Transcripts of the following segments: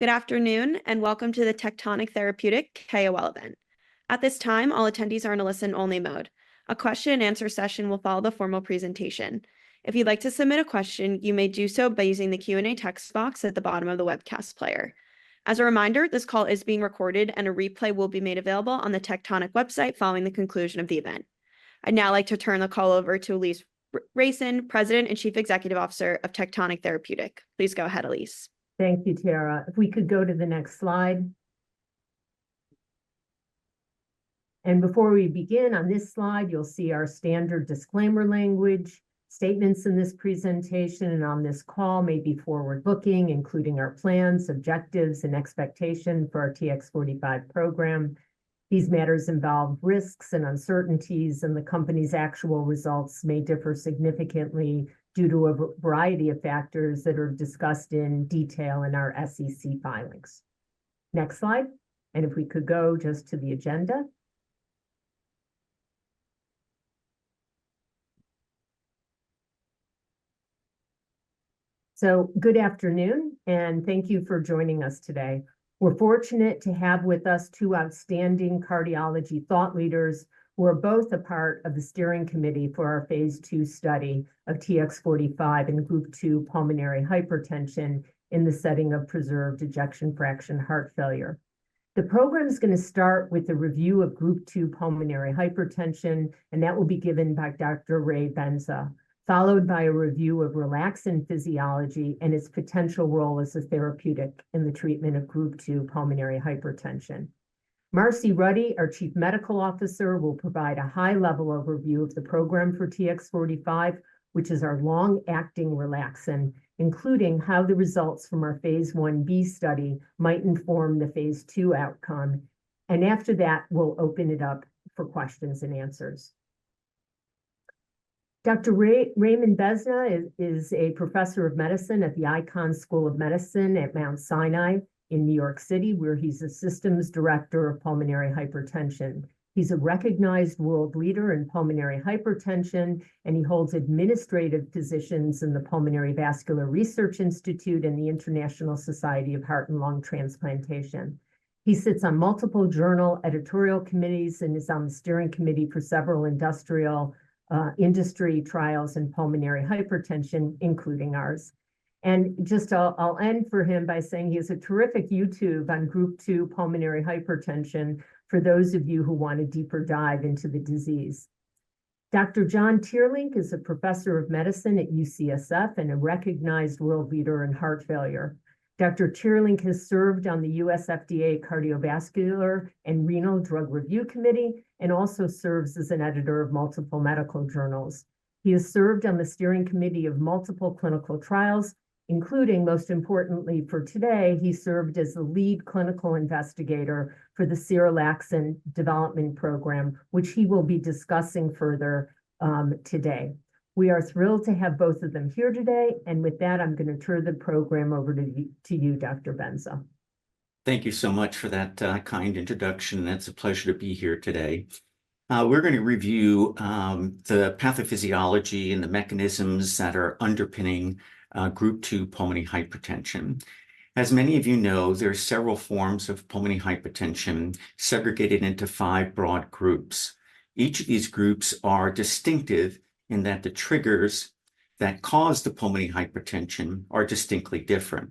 Good afternoon, and welcome to the Tectonic Therapeutic KOL Event. At this time, all attendees are in a listen-only mode. A question-and-answer session will follow the formal presentation. If you'd like to submit a question, you may do so by using the Q&A text box at the bottom of the webcast player. As a reminder, this call is being recorded, and a replay will be made available on the Tectonic website following the conclusion of the event. I'd now like to turn the call over to Alise Reicin, President and Chief Executive Officer of Tectonic Therapeutic. Please go ahead, Alise. Thank you, Tara. If we could go to the next slide. And before we begin on this slide, you'll see our standard disclaimer language. Statements in this presentation and on this call may be forward-looking, including our plans, objectives, and expectations for our TX45 program. These matters involve risks and uncertainties, and the company's actual results may differ significantly due to a variety of factors that are discussed in detail in our SEC filings. Next slide. And if we could go just to the agenda. So good afternoon, and thank you for joining us today. We're fortunate to have with us two outstanding cardiology thought leaders who are both a part of the steering committee for our phase II study of TX45 and Group 2 pulmonary hypertension in the setting of preserved ejection fraction heart failure The program's going to start with the review of Group 2 pulmonary hypertension, and that will be given by Dr. Ray Benza, followed by a review of relaxin physiology and its potential role as a therapeutic in the treatment of Group 2 pulmonary hypertension. Marcie Ruddy, our Chief Medical Officer, will provide a high-level overview of the program for TX45, which is our long-acting relaxin, including how the results from our phase I-B study might inform the phase II outcome, and after that, we'll open it up for questions and answers. Dr. Raymond Benza is a Professor of Medicine at the Icahn School of Medicine at Mount Sinai in New York City, where he's Assistant Director of Pulmonary Hypertension. He's a recognized world leader in pulmonary hypertension, and he holds administrative positions in the Pulmonary Vascular Research Institute and the International Society of Heart and Lung Transplantation. He sits on multiple journal editorial committees and is on the steering committee for several industry trials in pulmonary hypertension, including ours. And just I'll end for him by saying he has a terrific YouTube on Group 2 pulmonary hypertension for those of you who want a deeper dive into the disease. Dr. John Teerlink is a Professor of Medicine at UCSF and a recognized world leader in heart failure. Dr. Teerlink has served on the U.S. FDA Cardiovascular and Renal Drug Review Committee and also serves as an editor of multiple medical journals. He has served on the steering committee of multiple clinical trials, including, most importantly for today, he served as the lead clinical investigator for the serelaxin development program, which he will be discussing further today. We are thrilled to have both of them here today. With that, I'm going to turn the program over to you, Dr. Benza. Thank you so much for that kind introduction. It's a pleasure to be here today. We're going to review the pathophysiology and the mechanisms that are underpinning Group 2 pulmonary hypertension. As many of you know, there are several forms of pulmonary hypertension segregated into five broad groups. Each of these groups are distinctive in that the triggers that cause the pulmonary hypertension are distinctly different.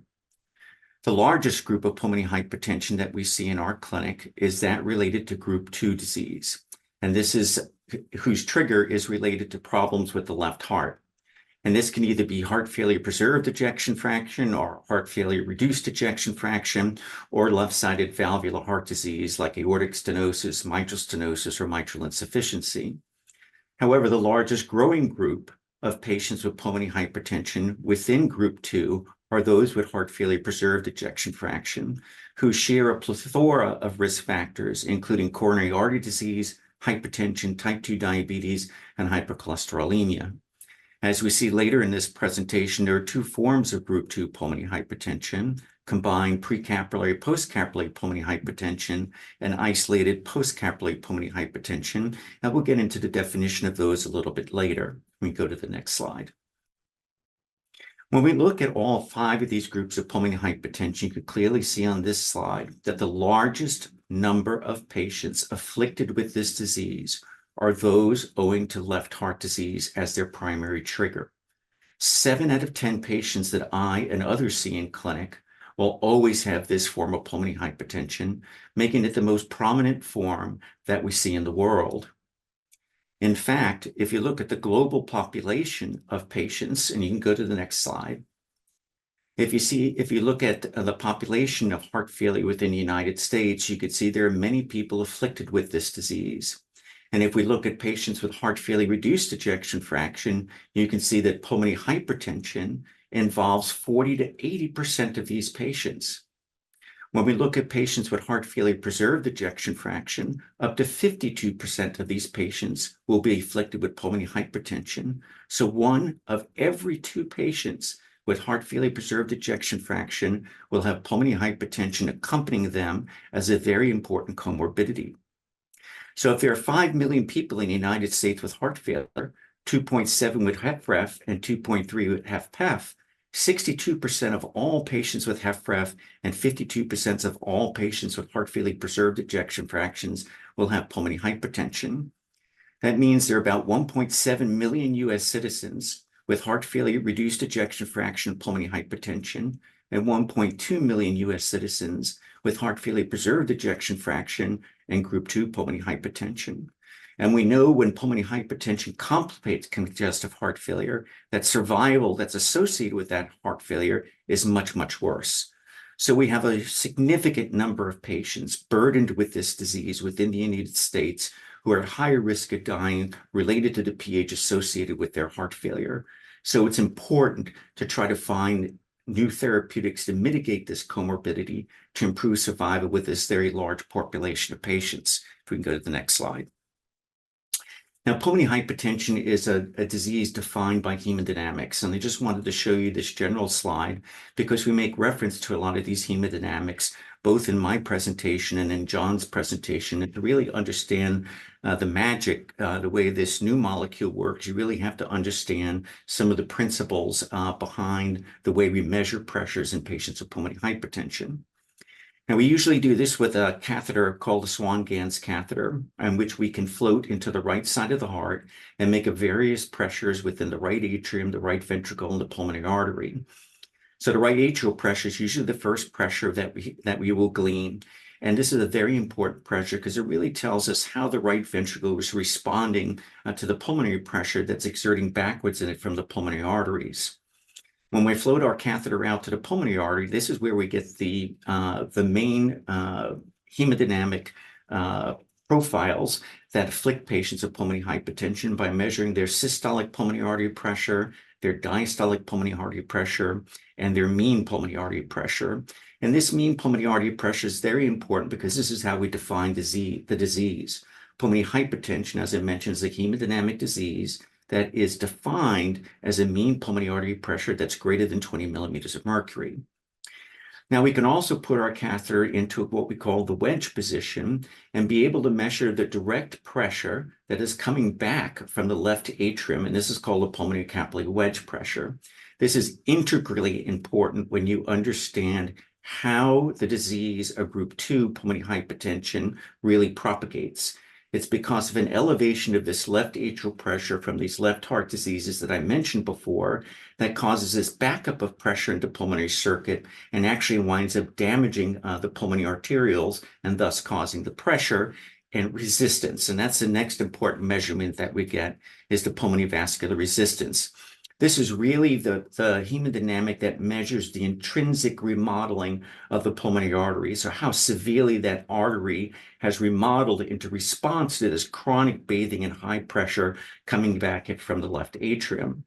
The largest group of pulmonary hypertension that we see in our clinic is that related to Group 2 disease, and this is, whose trigger is related to problems with the left heart, and this can either be heart failure preserved ejection fraction or heart failure reduced ejection fraction or left-sided valvular heart disease like aortic stenosis, mitral stenosis, or mitral insufficiency. However, the largest growing group of patients with pulmonary hypertension within Group 2 are those with heart failure with preserved ejection fraction who share a plethora of risk factors, including coronary artery disease, hypertension, type 2 diabetes, and hypercholesterolemia. As we see later in this presentation, there are two forms of Group 2 pulmonary hypertension: combined pre- and post-capillary pulmonary hypertension and isolated post-capillary pulmonary hypertension. And we'll get into the definition of those a little bit later when we go to the next slide. When we look at all five of these groups of pulmonary hypertension, you can clearly see on this slide that the largest number of patients afflicted with this disease are those owing to left heart disease as their primary trigger. Seven out of 10 patients that I and others see in clinic will always have this form of pulmonary hypertension, making it the most prominent form that we see in the world. In fact, if you look at the global population of patients, and you can go to the next slide, if you see, if you look at the population of heart failure within the United States, you could see there are many people afflicted with this disease, and if we look at patients with heart failure reduced ejection fraction, you can see that pulmonary hypertension involves 40%-80% of these patients. When we look at patients with heart failure preserved ejection fraction, up to 52% of these patients will be afflicted with pulmonary hypertension, so one of every two patients with heart failure preserved ejection fraction will have pulmonary hypertension accompanying them as a very important comorbidity. If there are 5 million people in the United States with heart failure, 2.7 with HFpEF and 2.3 with HFrEF, 62% of all patients with HFpEF and 52% of all patients with heart failure with reduced ejection fraction will have pulmonary hypertension. That means there are about 1.7 million U.S. citizens with heart failure with preserved ejection fraction pulmonary hypertension and 1.2 million U.S. citizens with heart failure with reduced ejection fraction and Group 2 pulmonary hypertension. We know when pulmonary hypertension complicates congestive heart failure, that survival that's associated with that heart failure is much, much worse. We have a significant number of patients burdened with this disease within the United States who are at higher risk of dying related to the pH associated with their heart failure. So it's important to try to find new therapeutics to mitigate this comorbidity to improve survival with this very large population of patients. If we can go to the next slide. Now, pulmonary hypertension is a disease defined by hemodynamics. And I just wanted to show you this general slide because we make reference to a lot of these hemodynamics, both in my presentation and in John's presentation, and to really understand the magic, the way this new molecule works, you really have to understand some of the principles behind the way we measure pressures in patients with pulmonary hypertension. Now, we usually do this with a catheter called a Swan-Ganz catheter, which we can float into the right side of the heart and make various pressures within the right atrium, the right ventricle, and the pulmonary artery. So the right atrial pressure is usually the first pressure that we will glean. And this is a very important pressure because it really tells us how the right ventricle is responding to the pulmonary pressure that's exerting backwards in it from the pulmonary arteries. When we float our catheter out to the pulmonary artery, this is where we get the main hemodynamic profiles that affect patients with pulmonary hypertension by measuring their systolic pulmonary artery pressure, their diastolic pulmonary artery pressure, and their mean pulmonary artery pressure. And this mean pulmonary artery pressure is very important because this is how we define the disease. Pulmonary hypertension, as I mentioned, is a hemodynamic disease that is defined as a mean pulmonary artery pressure that's greater than 20 millimeters of mercury. Now, we can also put our catheter into what we call the wedge position and be able to measure the direct pressure that is coming back from the left atrium. And this is called a pulmonary capillary wedge pressure. This is integrally important when you understand how the disease of Group 2 pulmonary hypertension really propagates. It's because of an elevation of this left atrial pressure from these left heart diseases that I mentioned before that causes this backup of pressure into the pulmonary circuit and actually winds up damaging the pulmonary arterioles and thus causing the pressure and resistance. And that's the next important measurement that we get is the pulmonary vascular resistance. This is really the hemodynamic that measures the intrinsic remodeling of the pulmonary arteries or how severely that artery has remodeled into response to this chronic bathing and high pressure coming back from the left atrium.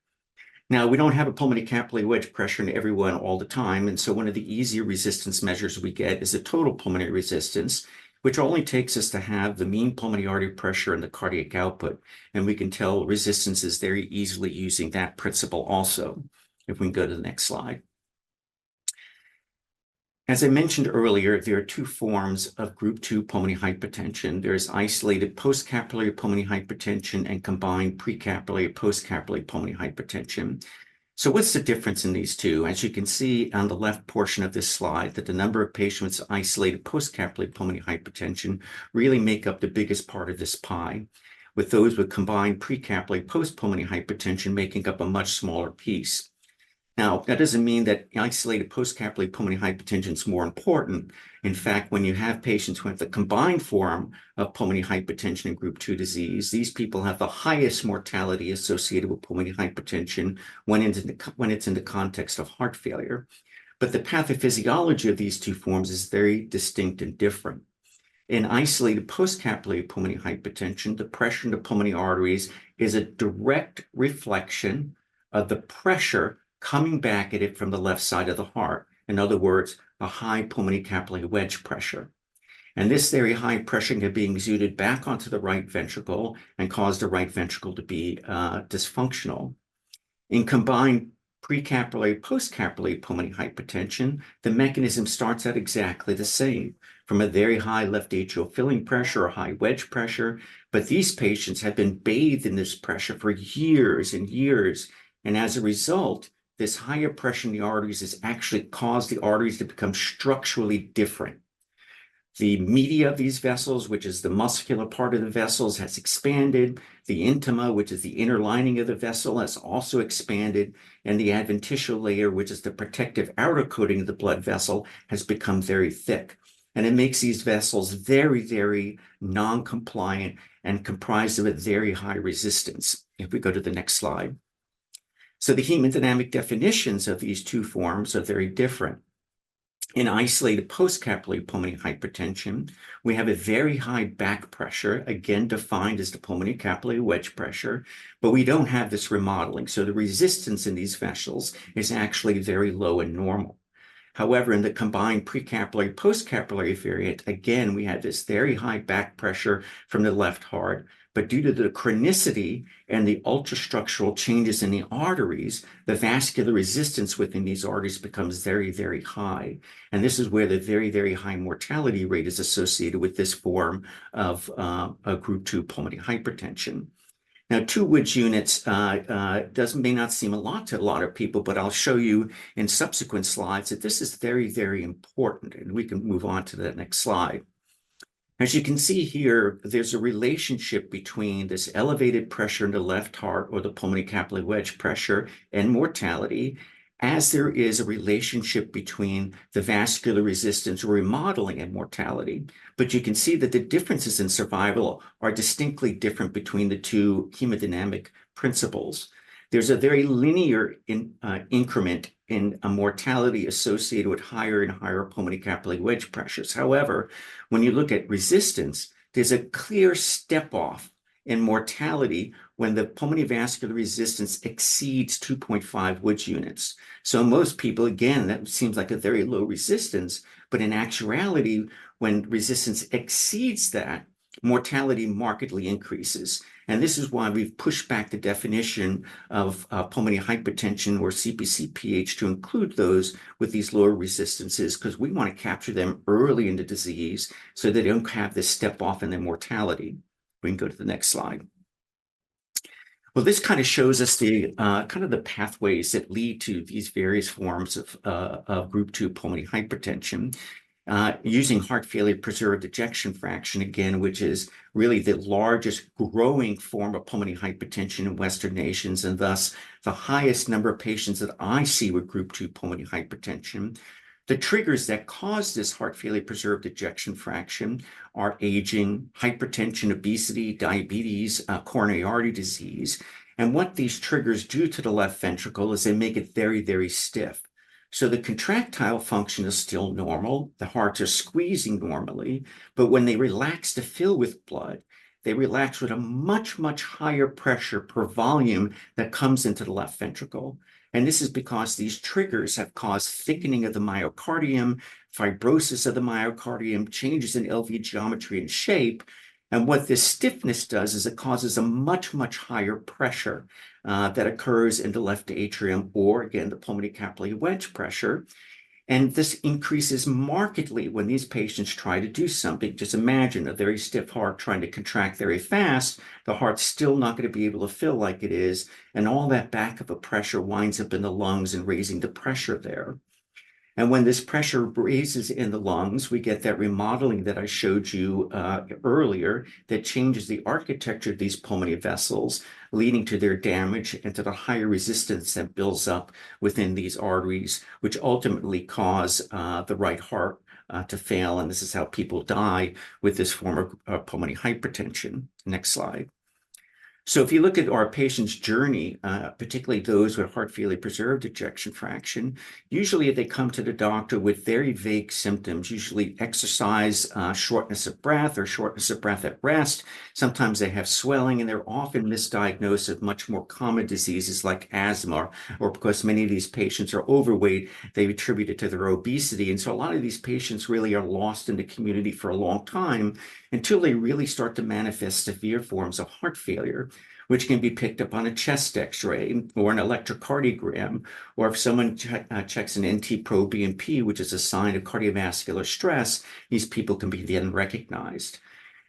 Now, we don't have a pulmonary capillary wedge pressure in everyone all the time. And so one of the easier resistance measures we get is the total pulmonary resistance, which only takes us to have the mean pulmonary artery pressure and the cardiac output. And we can tell resistance is very easily using that principle also. If we can go to the next slide. As I mentioned earlier, there are two forms of Group 2 pulmonary hypertension. There is isolated post-capillary pulmonary hypertension and combined pre- and post-capillary pulmonary hypertension. So what's the difference in these two? As you can see on the left portion of this slide, the number of patients isolated post-capillary pulmonary hypertension really makes up the biggest part of this pie, with those with combined pre- and post-capillary pulmonary hypertension making up a much smaller piece. Now, that doesn't mean that isolated post-capillary pulmonary hypertension is more important. In fact, when you have patients who have the combined form of pulmonary hypertension and Group 2 disease, these people have the highest mortality associated with pulmonary hypertension when it's in the context of heart failure. But the pathophysiology of these two forms is very distinct and different. In isolated post-capillary pulmonary hypertension, the pressure in the pulmonary arteries is a direct reflection of the pressure coming back at it from the left side of the heart. In other words, a high pulmonary capillary wedge pressure. And this very high pressure can be exerted back onto the right ventricle and cause the right ventricle to be dysfunctional. In combined pre- and post-capillary pulmonary hypertension, the mechanism starts out exactly the same from a very high left atrial filling pressure or high wedge pressure. But these patients have been bathed in this pressure for years and years. And as a result, this higher pressure in the arteries has actually caused the arteries to become structurally different. The media of these vessels, which is the muscular part of the vessels, has expanded. The intima, which is the inner lining of the vessel, has also expanded. And the adventitial layer, which is the protective outer coating of the blood vessel, has become very thick. And it makes these vessels very, very non-compliant and comprised of a very high resistance. If we go to the next slide. So the hemodynamic definitions of these two forms are very different. In isolated post-capillary pulmonary hypertension, we have a very high back pressure, again defined as the pulmonary capillary wedge pressure, but we don't have this remodeling. So the resistance in these vessels is actually very low and normal. However, in the combined precapillary and postcapillary variant, again, we have this very high back pressure from the left heart. But due to the chronicity and the ultra-structural changes in the arteries, the vascular resistance within these arteries becomes very, very high. And this is where the very, very high mortality rate is associated with this form of Group 2 pulmonary hypertension. Now, 2 Wood units may not seem a lot to a lot of people, but I'll show you in subsequent slides that this is very, very important. And we can move on to the next slide. As you can see here, there's a relationship between this elevated pressure in the left heart or the pulmonary capillary wedge pressure and mortality, as there is a relationship between the vascular resistance remodeling and mortality. But you can see that the differences in survival are distinctly different between the two hemodynamic principles. There's a very linear increment in mortality associated with higher and higher pulmonary capillary wedge pressures. However, when you look at resistance, there's a clear step-off in mortality when the pulmonary vascular resistance exceeds 2.5 Wood units. So most people, again, that seems like a very low resistance. But in actuality, when resistance exceeds that, mortality markedly increases. And this is why we've pushed back the definition of pulmonary hypertension or CpcPH to include those with these lower resistances because we want to capture them early in the disease so they don't have this step-off in their mortality. We can go to the next slide. This kind of shows us the kind of pathways that lead to these various forms of Group 2 pulmonary hypertension using heart failure preserved ejection fraction, again, which is really the largest growing form of pulmonary hypertension in Western nations and thus the highest number of patients that I see with Group 2 pulmonary hypertension. The triggers that cause this heart failure preserved ejection fraction are aging, hypertension, obesity, diabetes, coronary artery disease. What these triggers do to the left ventricle is they make it very, very stiff. The contractile function is still normal. The heart is squeezing normally. When they relax to fill with blood, they relax with a much, much higher pressure per volume that comes into the left ventricle. This is because these triggers have caused thickening of the myocardium, fibrosis of the myocardium, changes in LV geometry and shape. What this stiffness does is it causes a much, much higher pressure that occurs in the left atrium or, again, the pulmonary capillary wedge pressure. This increases markedly when these patients try to do something. Just imagine a very stiff heart trying to contract very fast. The heart's still not going to be able to fill like it is. All that backup of pressure winds up in the lungs and raising the pressure there. When this pressure raises in the lungs, we get that remodeling that I showed you earlier that changes the architecture of these pulmonary vessels, leading to their damage and to the higher resistance that builds up within these arteries, which ultimately cause the right heart to fail. This is how people die with this form of pulmonary hypertension. Next slide. So if you look at our patients' journey, particularly those with heart failure with preserved ejection fraction, they usually come to the doctor with very vague symptoms: usually exertional shortness of breath or shortness of breath at rest. Sometimes they have swelling, and they're often misdiagnosed with much more common diseases like asthma. Or because many of these patients are overweight, they attribute it to their obesity. And so a lot of these patients really are lost in the community for a long time until they really start to manifest severe forms of heart failure, which can be picked up on a chest X-ray or an electrocardiogram. Or if someone checks an NT-proBNP, which is a sign of cardiovascular stress, these people can be then recognized.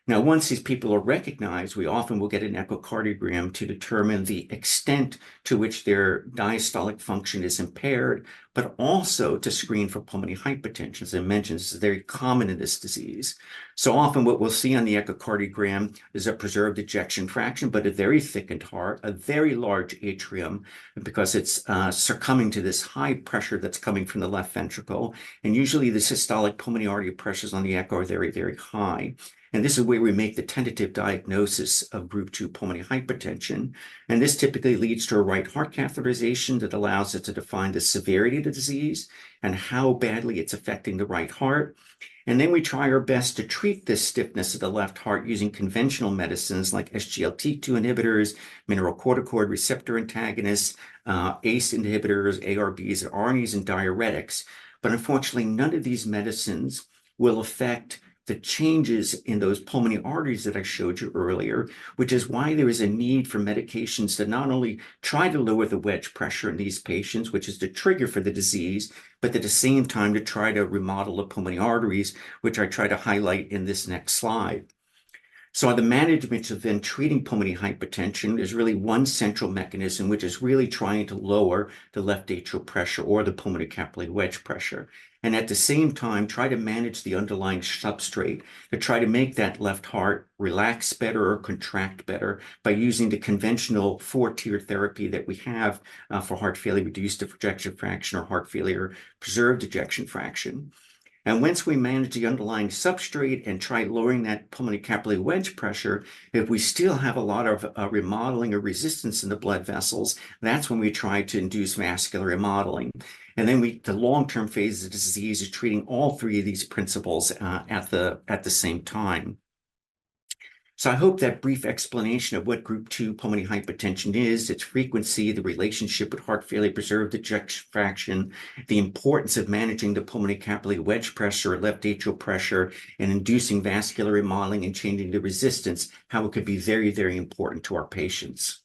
Now, once these people are recognized, we often will get an echocardiogram to determine the extent to which their diastolic function is impaired, but also to screen for pulmonary hypertension. As I mentioned, this is very common in this disease. So often what we'll see on the echocardiogram is a preserved ejection fraction, but a very thickened heart, a very large atrium because it's succumbing to this high pressure that's coming from the left ventricle, and usually the systolic pulmonary artery pressures on the echo are very, very high. And this is where we make the tentative diagnosis of Group 2 pulmonary hypertension, and this typically leads to a right heart catheterization that allows us to define the severity of the disease and how badly it's affecting the right heart. And then we try our best to treat this stiffness of the left heart using conventional medicines like SGLT2 inhibitors, mineralocorticoid receptor antagonists, ACE inhibitors, ARBs, and ARNIs, and diuretics. But unfortunately, none of these medicines will affect the changes in those pulmonary arteries that I showed you earlier, which is why there is a need for medications to not only try to lower the wedge pressure in these patients, which is the trigger for the disease, but at the same time to try to remodel the pulmonary arteries, which I try to highlight in this next slide. So the management of then treating pulmonary hypertension is really one central mechanism, which is really trying to lower the left atrial pressure or the pulmonary capillary wedge pressure. And at the same time, try to manage the underlying substrate to try to make that left heart relax better or contract better by using the conventional four-tier therapy that we have for heart failure with reduced ejection fraction or heart failure with preserved ejection fraction. And once we manage the underlying substrate and try lowering that pulmonary capillary wedge pressure, if we still have a lot of remodeling or resistance in the blood vessels, that's when we try to induce vascular remodeling. And then the long-term phase of the disease is treating all three of these principles at the same time. So I hope that brief explanation of what Group 2 pulmonary hypertension is, its frequency, the relationship with heart failure with preserved ejection fraction, the importance of managing the pulmonary capillary wedge pressure, left atrial pressure, and inducing vascular remodeling and changing the resistance, how it could be very, very important to our patients.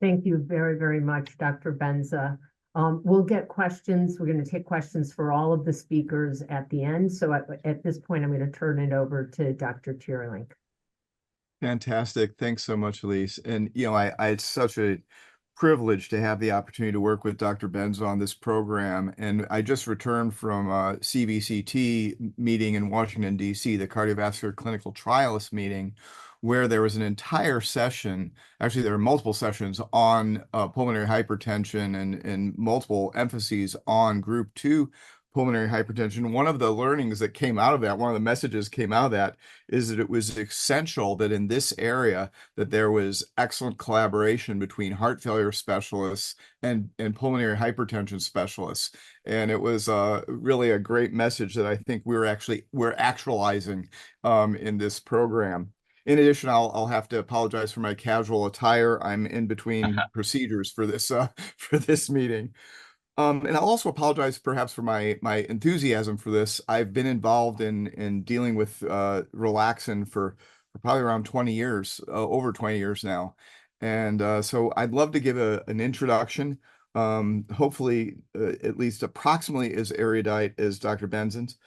Thank you very, very much, Dr. Benza. We'll get questions. We're going to take questions for all of the speakers at the end. So at this point, I'm going to turn it over to Dr. Teerlink. Fantastic. Thanks so much, Alise. And you know, I had such a privilege to have the opportunity to work with Dr. Benza on this program. And I just returned from a CVCT meeting in Washington, D.C., the Cardiovascular Clinical Trials meeting, where there was an entire session, actually, there were multiple sessions on pulmonary hypertension and multiple emphases on Group 2 pulmonary hypertension. One of the learnings that came out of that, one of the messages came out of that, is that it was essential that in this area, there was excellent collaboration between heart failure specialists and pulmonary hypertension specialists. It was really a great message that I think we're actualizing in this program. In addition, I'll have to apologize for my casual attire. I'm in between procedures for this meeting. And I'll also apologize perhaps for my enthusiasm for this. I've been involved in dealing with relaxin for probably around 20 years, over 20 years now. And so I'd love to give an introduction. Hopefully, at least approximately, it is as erudite as Dr. Benza's.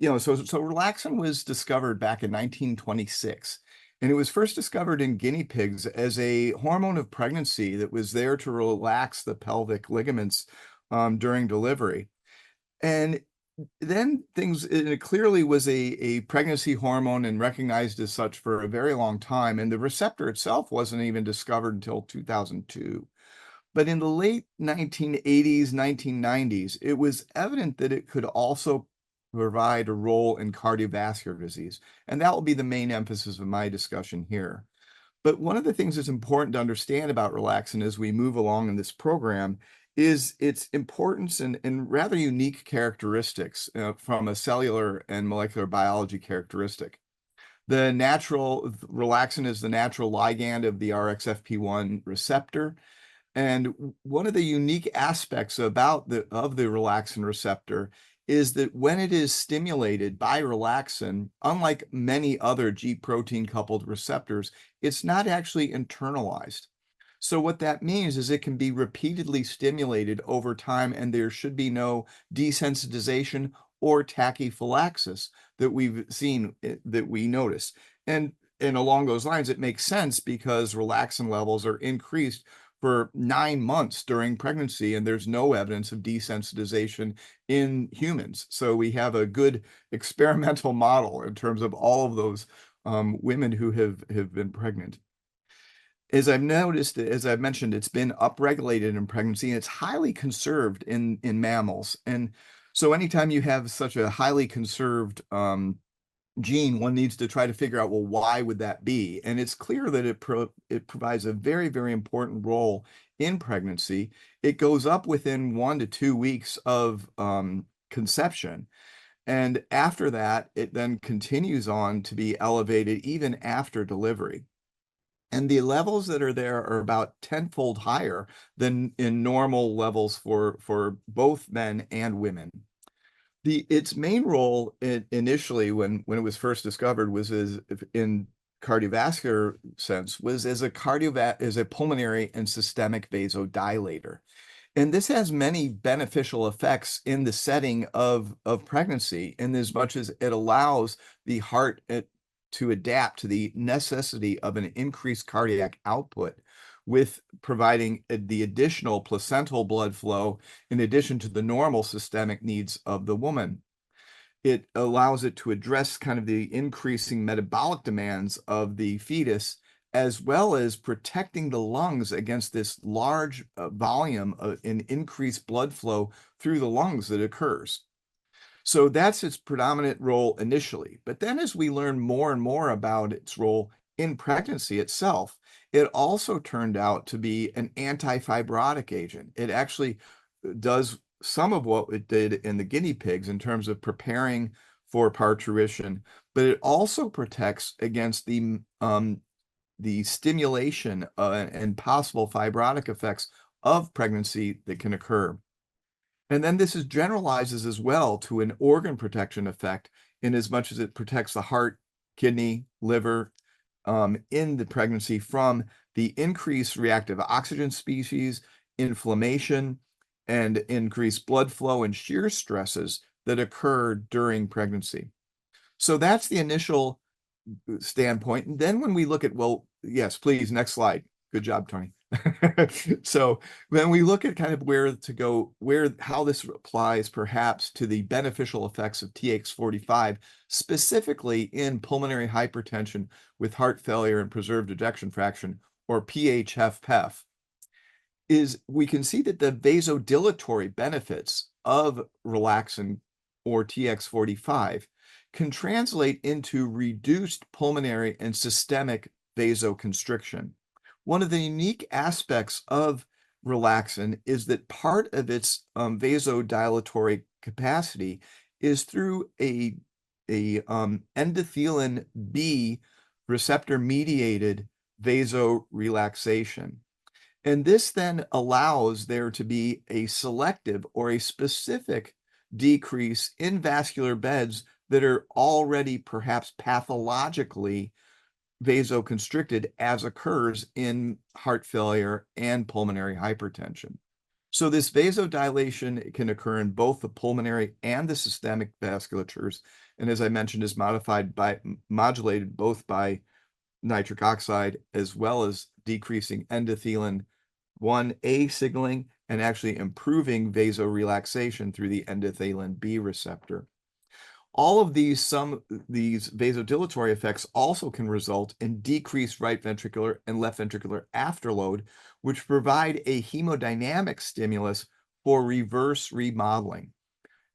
You know, so relaxin was discovered back in 1926. And it was first discovered in guinea pigs as a hormone of pregnancy that was there to relax the pelvic ligaments during delivery. And then it clearly was a pregnancy hormone and recognized as such for a very long time. And the receptor itself wasn't even discovered until 2002. In the late 1980s, 1990s, it was evident that it could also provide a role in cardiovascular disease. That will be the main emphasis of my discussion here. One of the things that's important to understand about relaxin as we move along in this program is its importance and rather unique characteristics from a cellular and molecular biology characteristic. The natural relaxin is the natural ligand of the RXFP1 receptor. One of the unique aspects about the relaxin receptor is that when it is stimulated by relaxin, unlike many other G-protein coupled receptors, it's not actually internalized. What that means is it can be repeatedly stimulated over time, and there should be no desensitization or tachyphylaxis that we've seen, that we notice. And along those lines, it makes sense because relaxin levels are increased for nine months during pregnancy, and there's no evidence of desensitization in humans. So we have a good experimental model in terms of all of those women who have been pregnant. As I've noticed, as I've mentioned, it's been upregulated in pregnancy, and it's highly conserved in mammals. And so anytime you have such a highly conserved gene, one needs to try to figure out, well, why would that be? And it's clear that it provides a very, very important role in pregnancy. It goes up within one to two weeks of conception. And after that, it then continues on to be elevated even after delivery. And the levels that are there are about tenfold higher than in normal levels for both men and women. Its main role initially, when it was first discovered, was in cardiovascular sense, was as a pulmonary and systemic vasodilator. And this has many beneficial effects in the setting of pregnancy, in as much as it allows the heart to adapt to the necessity of an increased cardiac output with providing the additional placental blood flow in addition to the normal systemic needs of the woman. It allows it to address kind of the increasing metabolic demands of the fetus, as well as protecting the lungs against this large volume and increased blood flow through the lungs that occurs. So that's its predominant role initially. But then as we learn more and more about its role in pregnancy itself, it also turned out to be an anti-fibrotic agent. It actually does some of what it did in the guinea pigs in terms of preparing for parturition, but it also protects against the stimulation and possible fibrotic effects of pregnancy that can occur. And then this generalizes as well to an organ protection effect in as much as it protects the heart, kidney, liver in the pregnancy from the increased reactive oxygen species, inflammation, and increased blood flow and shear stresses that occur during pregnancy. So that's the initial standpoint. And then when we look at, well, yes, please, next slide. Good job, Tony. So when we look at kind of where to go, how this applies perhaps to the beneficial effects of TX45, specifically in pulmonary hypertension with heart failure and preserved ejection fraction or PH-HFpEF, we can see that the vasodilatory benefits of relaxin or TX45 can translate into reduced pulmonary and systemic vasoconstriction. One of the unique aspects of relaxin is that part of its vasodilatory capacity is through an endothelin B receptor-mediated vasorelaxation. And this then allows there to be a selective or a specific decrease in vascular beds that are already perhaps pathologically vasoconstricted as occurs in heart failure and pulmonary hypertension. So this vasodilation can occur in both the pulmonary and the systemic vasculatures. And as I mentioned, is modulated both by nitric oxide as well as decreasing endothelin-1A signaling and actually improving vasorelaxation through the endothelin B receptor. All of these vasodilatory effects also can result in decreased right ventricular and left ventricular afterload, which provide a hemodynamic stimulus for reverse remodeling.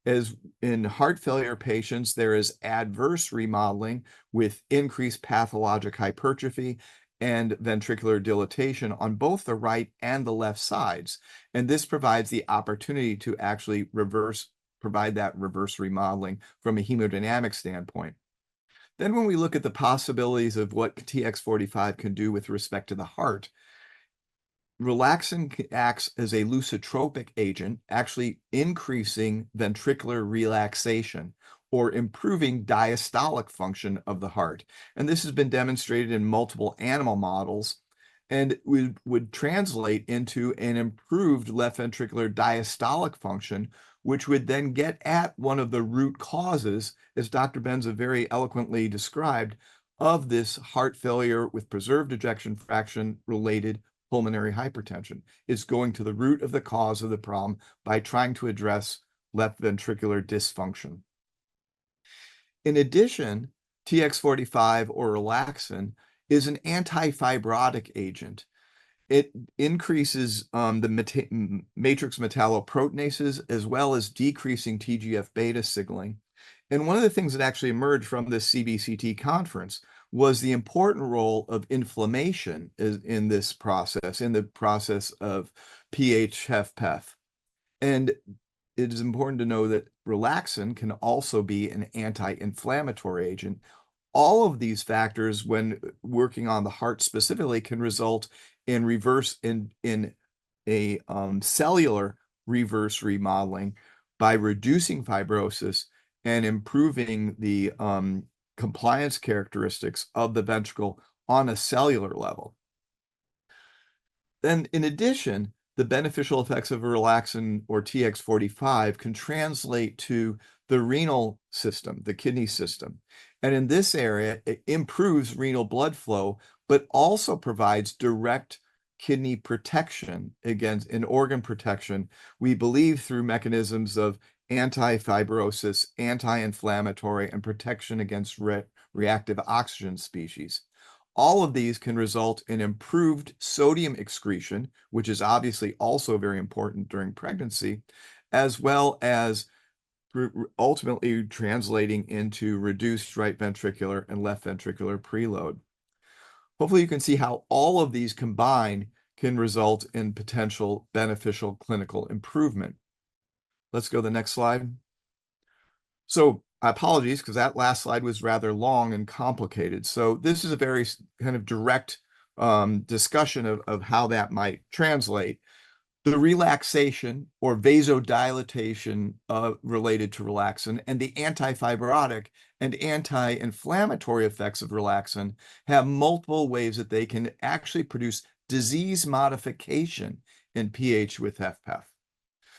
As in heart failure patients, there is adverse remodeling with increased pathologic hypertrophy and ventricular dilatation on both the right and the left sides. And this provides the opportunity to actually reverse, provide that reverse remodeling from a hemodynamic standpoint. Then when we look at the possibilities of what TX45 can do with respect to the heart, relaxin acts as a lusitropic agent, actually increasing ventricular relaxation or improving diastolic function of the heart. And this has been demonstrated in multiple animal models and would translate into an improved left ventricular diastolic function, which would then get at one of the root causes, as Dr. Benza very eloquently described, of this heart failure with preserved ejection fraction related pulmonary hypertension. It's going to the root of the cause of the problem by trying to address left ventricular dysfunction. In addition, TX45 or relaxin is an anti-fibrotic agent. It increases the matrix metalloproteinase as well as decreasing TGF-beta signaling. One of the things that actually emerged from the CVCT conference was the important role of inflammation in this process, in the process of PH-HFpEF. It is important to know that relaxin can also be an anti-inflammatory agent. All of these factors, when working on the heart specifically, can result in reverse in a cellular reverse remodeling by reducing fibrosis and improving the compliance characteristics of the ventricle on a cellular level. In addition, the beneficial effects of relaxin or TX45 can translate to the renal system, the kidney system. In this area, it improves renal blood flow, but also provides direct kidney protection as organ protection, we believe through mechanisms of anti-fibrosis, anti-inflammatory, and protection against reactive oxygen species. All of these can result in improved sodium excretion, which is obviously also very important during pregnancy, as well as ultimately translating into reduced right ventricular and left ventricular preload. Hopefully, you can see how all of these combined can result in potential beneficial clinical improvement. Let's go to the next slide. So apologies because that last slide was rather long and complicated. So this is a very kind of direct discussion of how that might translate. The relaxation or vasodilatation related to relaxin and the anti-fibrotic and anti-inflammatory effects of relaxin have multiple ways that they can actually produce disease modification in PH-HFpEF.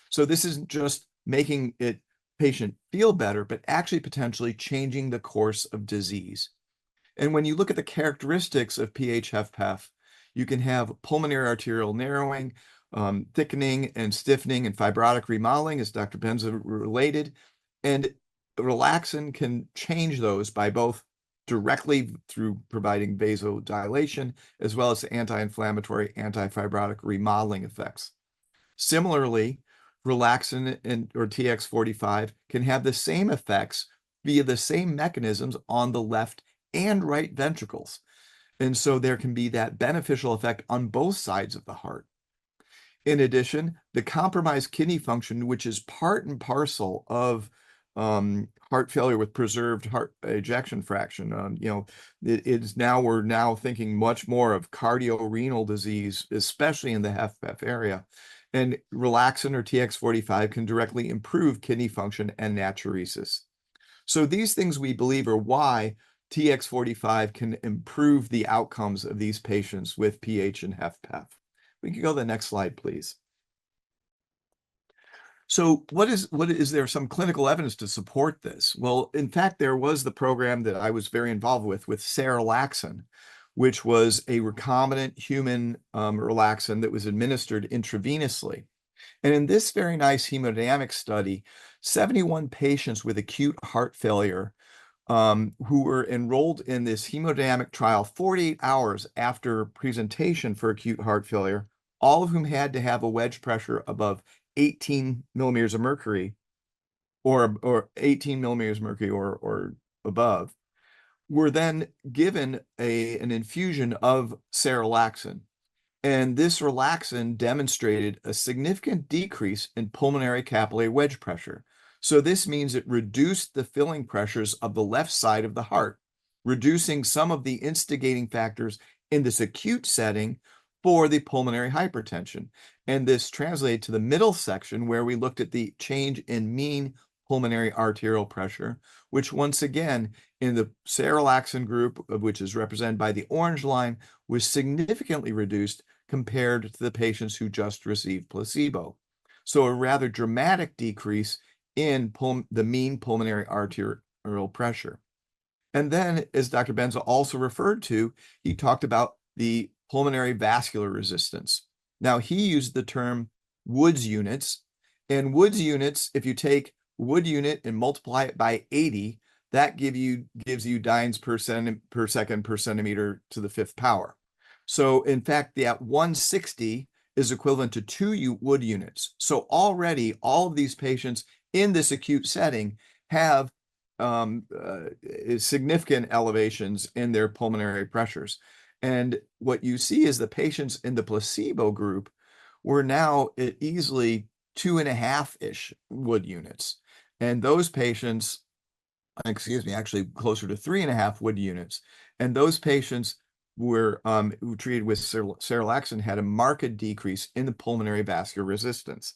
So this isn't just making a patient feel better, but actually potentially changing the course of disease. And when you look at the characteristics of PH-HFpEF, you can have pulmonary arterial narrowing, thickening and stiffening, and fibrotic remodeling, as Dr. Benza related. relaxin can change those by both directly through providing vasodilation as well as anti-inflammatory, anti-fibrotic remodeling effects. Similarly, relaxin or TX45 can have the same effects via the same mechanisms on the left and right ventricles. And so there can be that beneficial effect on both sides of the heart. In addition, the compromised kidney function, which is part and parcel of heart failure with preserved ejection fraction, you know, it's now we're thinking much more of cardiorenal disease, especially in the HFpEF area. And relaxin or TX45 can directly improve kidney function and natriuresis. So these things we believe are why TX45 can improve the outcomes of these patients with PH and HFpEF. We can go to the next slide, please. What is there some clinical evidence to support this? In fact, there was the program that I was very involved with, with serelaxin, which was a recombinant human relaxin that was administered intravenously. In this very nice hemodynamic study, 71 patients with acute heart failure who were enrolled in this hemodynamic trial 48 hours after presentation for acute heart failure, all of whom had to have a wedge pressure above 18 millimeters of mercury or 18 millimeters of mercury or above, were then given an infusion of serelaxin. This relaxin demonstrated a significant decrease in pulmonary capillary wedge pressure. This means it reduced the filling pressures of the left side of the heart, reducing some of the instigating factors in this acute setting for the pulmonary hypertension. This translated to the middle section where we looked at the change in mean pulmonary artery pressure, which once again, in the serelaxin group, which is represented by the orange line, was significantly reduced compared to the patients who just received placebo. So a rather dramatic decrease in the mean pulmonary artery pressure. And then, as Dr. Benza also referred to, he talked about the pulmonary vascular resistance. Now, he used the term Wood units. And Wood units, if you take Wood unit and multiply it by 80, that gives you dynes per second per centimeter to the fifth power. So in fact, that 160 is equivalent to 2 Wood units. So already, all of these patients in this acute setting have significant elevations in their pulmonary pressures. And what you see is the patients in the placebo group were now easily 2.5-ish Wood units. Those patients, excuse me, actually closer to 3.5 Wood units. Those patients who were treated with serelaxin had a marked decrease in the pulmonary vascular resistance.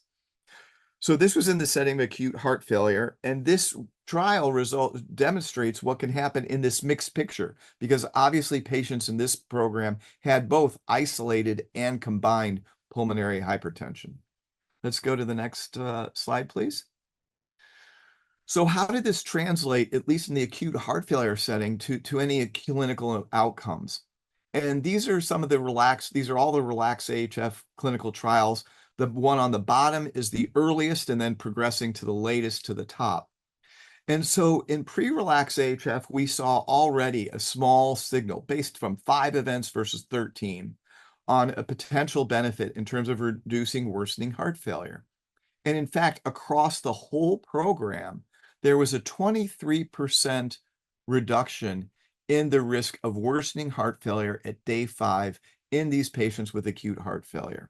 This was in the setting of acute heart failure. This trial result demonstrates what can happen in this mixed picture because obviously patients in this program had both isolated and combined pulmonary hypertension. Let's go to the next slide, please. How did this translate, at least in the acute heart failure setting, to any clinical outcomes? These are some of the RELAX-AHF, these are all the RELAX-AHF clinical trials. The one on the bottom is the earliest and then progressing to the latest to the top. In pre-RELAX-AHF, we saw already a small signal based from five events versus 13 on a potential benefit in terms of reducing worsening heart failure. In fact, across the whole program, there was a 23% reduction in the risk of worsening heart failure at day five in these patients with acute heart failure.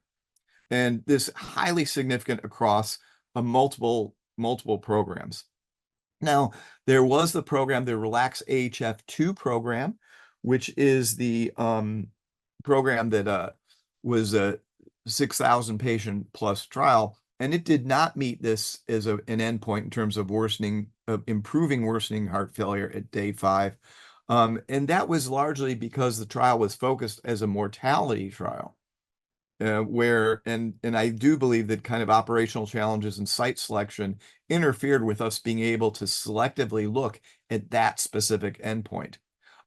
And this is highly significant across multiple programs. Now, there was the program, the RELAX-AHF 2 program, which is the program that was a 6,000 patient plus trial. And it did not meet this as an endpoint in terms of worsening, improving worsening heart failure at day five. And that was largely because the trial was focused as a mortality trial. And I do believe that kind of operational challenges and site selection interfered with us being able to selectively look at that specific endpoint.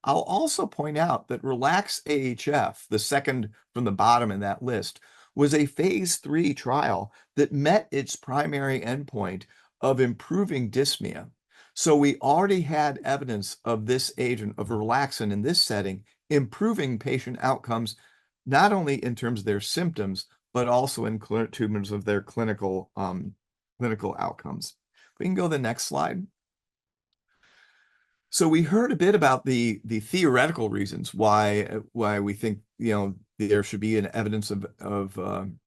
I'll also point out that RELAX-AHF, the second from the bottom in that list, was a phase III trial that met its primary endpoint of improving dyspnea. So we already had evidence of this agent of relaxin in this setting, improving patient outcomes not only in terms of their symptoms, but also in terms of their clinical outcomes. We can go to the next slide. So we heard a bit about the theoretical reasons why we think, you know, there should be an evidence of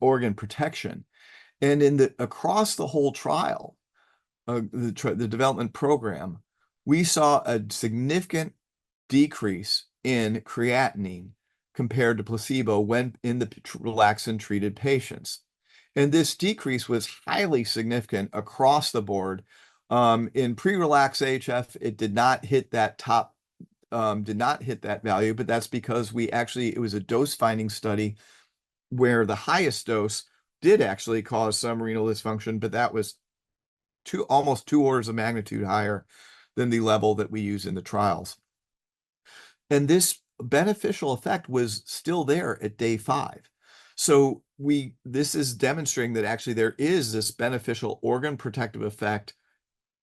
organ protection. And across the whole trial, the development program, we saw a significant decrease in creatinine compared to placebo in the relaxin-treated patients. And this decrease was highly significant across the board. In pre-RELAX-AHF, it did not hit that top, did not hit that value, but that's because we actually, it was a dose-finding study where the highest dose did actually cause some renal dysfunction, but that was almost two orders of magnitude higher than the level that we use in the trials. And this beneficial effect was still there at day five. So this is demonstrating that actually there is this beneficial organ protective effect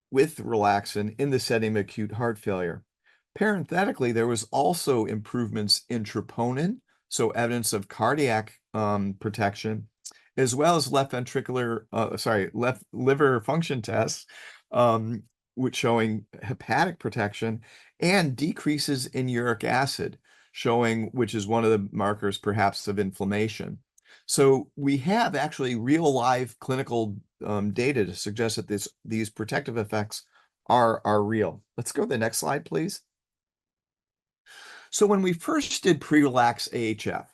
with relaxin in the setting of acute heart failure. Parenthetically, there were also improvements in troponin, so evidence of cardiac protection, as well as left ventricular, sorry, left liver function tests, which showing hepatic protection and decreases in uric acid, showing which is one of the markers perhaps of inflammation. So we have actually real live clinical data to suggest that these protective effects are real. Let's go to the next slide, please. So when we first did pre-RELAX-AHF,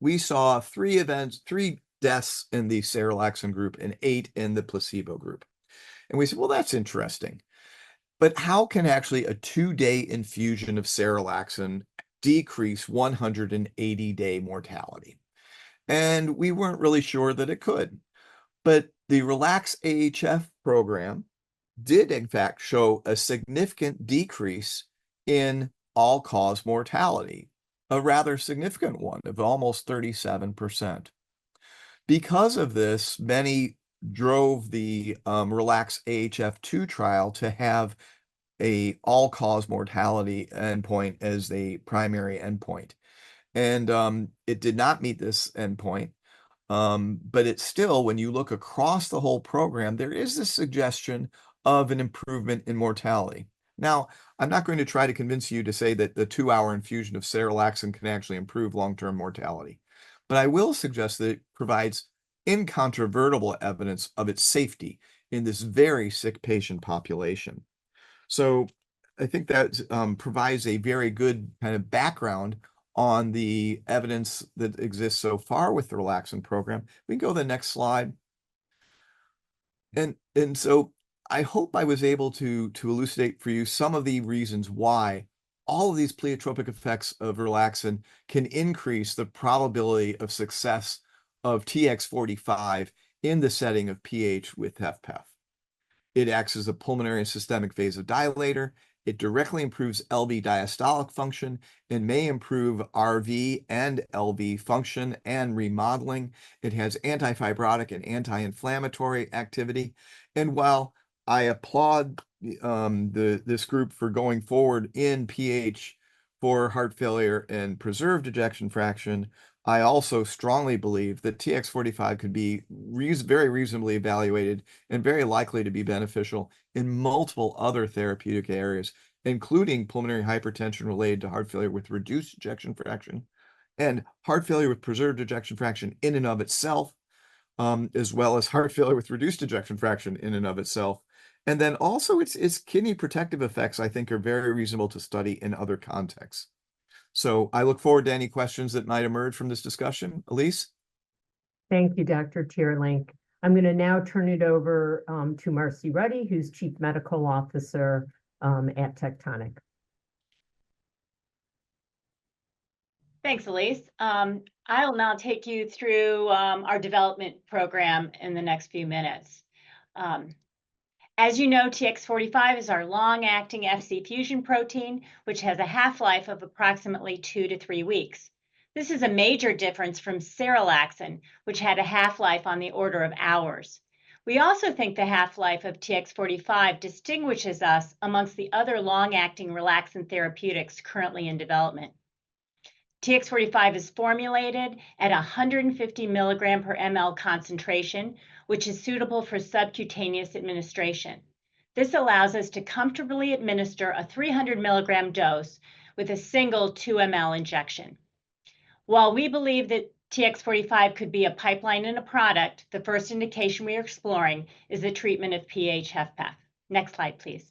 we saw three events, three deaths in the serelaxin group and eight in the placebo group. And we said, well, that's interesting. But how can actually a two-day infusion of serelaxin decrease 180-day mortality? And we weren't really sure that it could. But the RELAX-AHF program did in fact show a significant decrease in all-cause mortality, a rather significant one of almost 37%. Because of this, many drove the RELAX-AHF-2 trial to have an all-cause mortality endpoint as the primary endpoint. And it did not meet this endpoint. But it still, when you look across the whole program, there is this suggestion of an improvement in mortality. Now, I'm not going to try to convince you to say that the two-hour infusion of serelaxin can actually improve long-term mortality. But I will suggest that it provides incontrovertible evidence of its safety in this very sick patient population. So I think that provides a very good kind of background on the evidence that exists so far with the relaxin program. We can go to the next slide. I hope I was able to elucidate for you some of the reasons why all of these pleiotropic effects of relaxin can increase the probability of success of TX45 in the setting of PH with HFpEF. It acts as a pulmonary and systemic vasodilator. It directly improves LV diastolic function and may improve RV and LV function and remodeling. It has anti-fibrotic and anti-inflammatory activity. While I applaud this group for going forward in PH for heart failure and preserved ejection fraction, I also strongly believe that TX45 could be very reasonably evaluated and very likely to be beneficial in multiple other therapeutic areas, including pulmonary hypertension related to heart failure with reduced ejection fraction and heart failure with preserved ejection fraction in and of itself, as well as heart failure with reduced ejection fraction in and of itself. Also its kidney protective effects, I think, are very reasonable to study in other contexts. I look forward to any questions that might emerge from this discussion, Alise. Thank you, Dr. Teerlink. I'm going to now turn it over to Marcie Ruddy, who's Chief Medical Officer at Tectonic. Thanks, Alise. I'll now take you through our development program in the next few minutes. As you know, TX45 is our long-acting Fc fusion protein, which has a half-life of approximately two to three weeks. This is a major difference from serelaxin, which had a half-life on the order of hours. We also think the half-life of TX45 distinguishes us among the other long-acting relaxin therapeutics currently in development. TX45 is formulated at 150 milligrams per mL concentration, which is suitable for subcutaneous administration. This allows us to comfortably administer a 300 milligram dose with a single 2 ml injection. While we believe that TX45 could be a pipeline and a product, the first indication we are exploring is the treatment of PH-HFpEF. Next slide, please.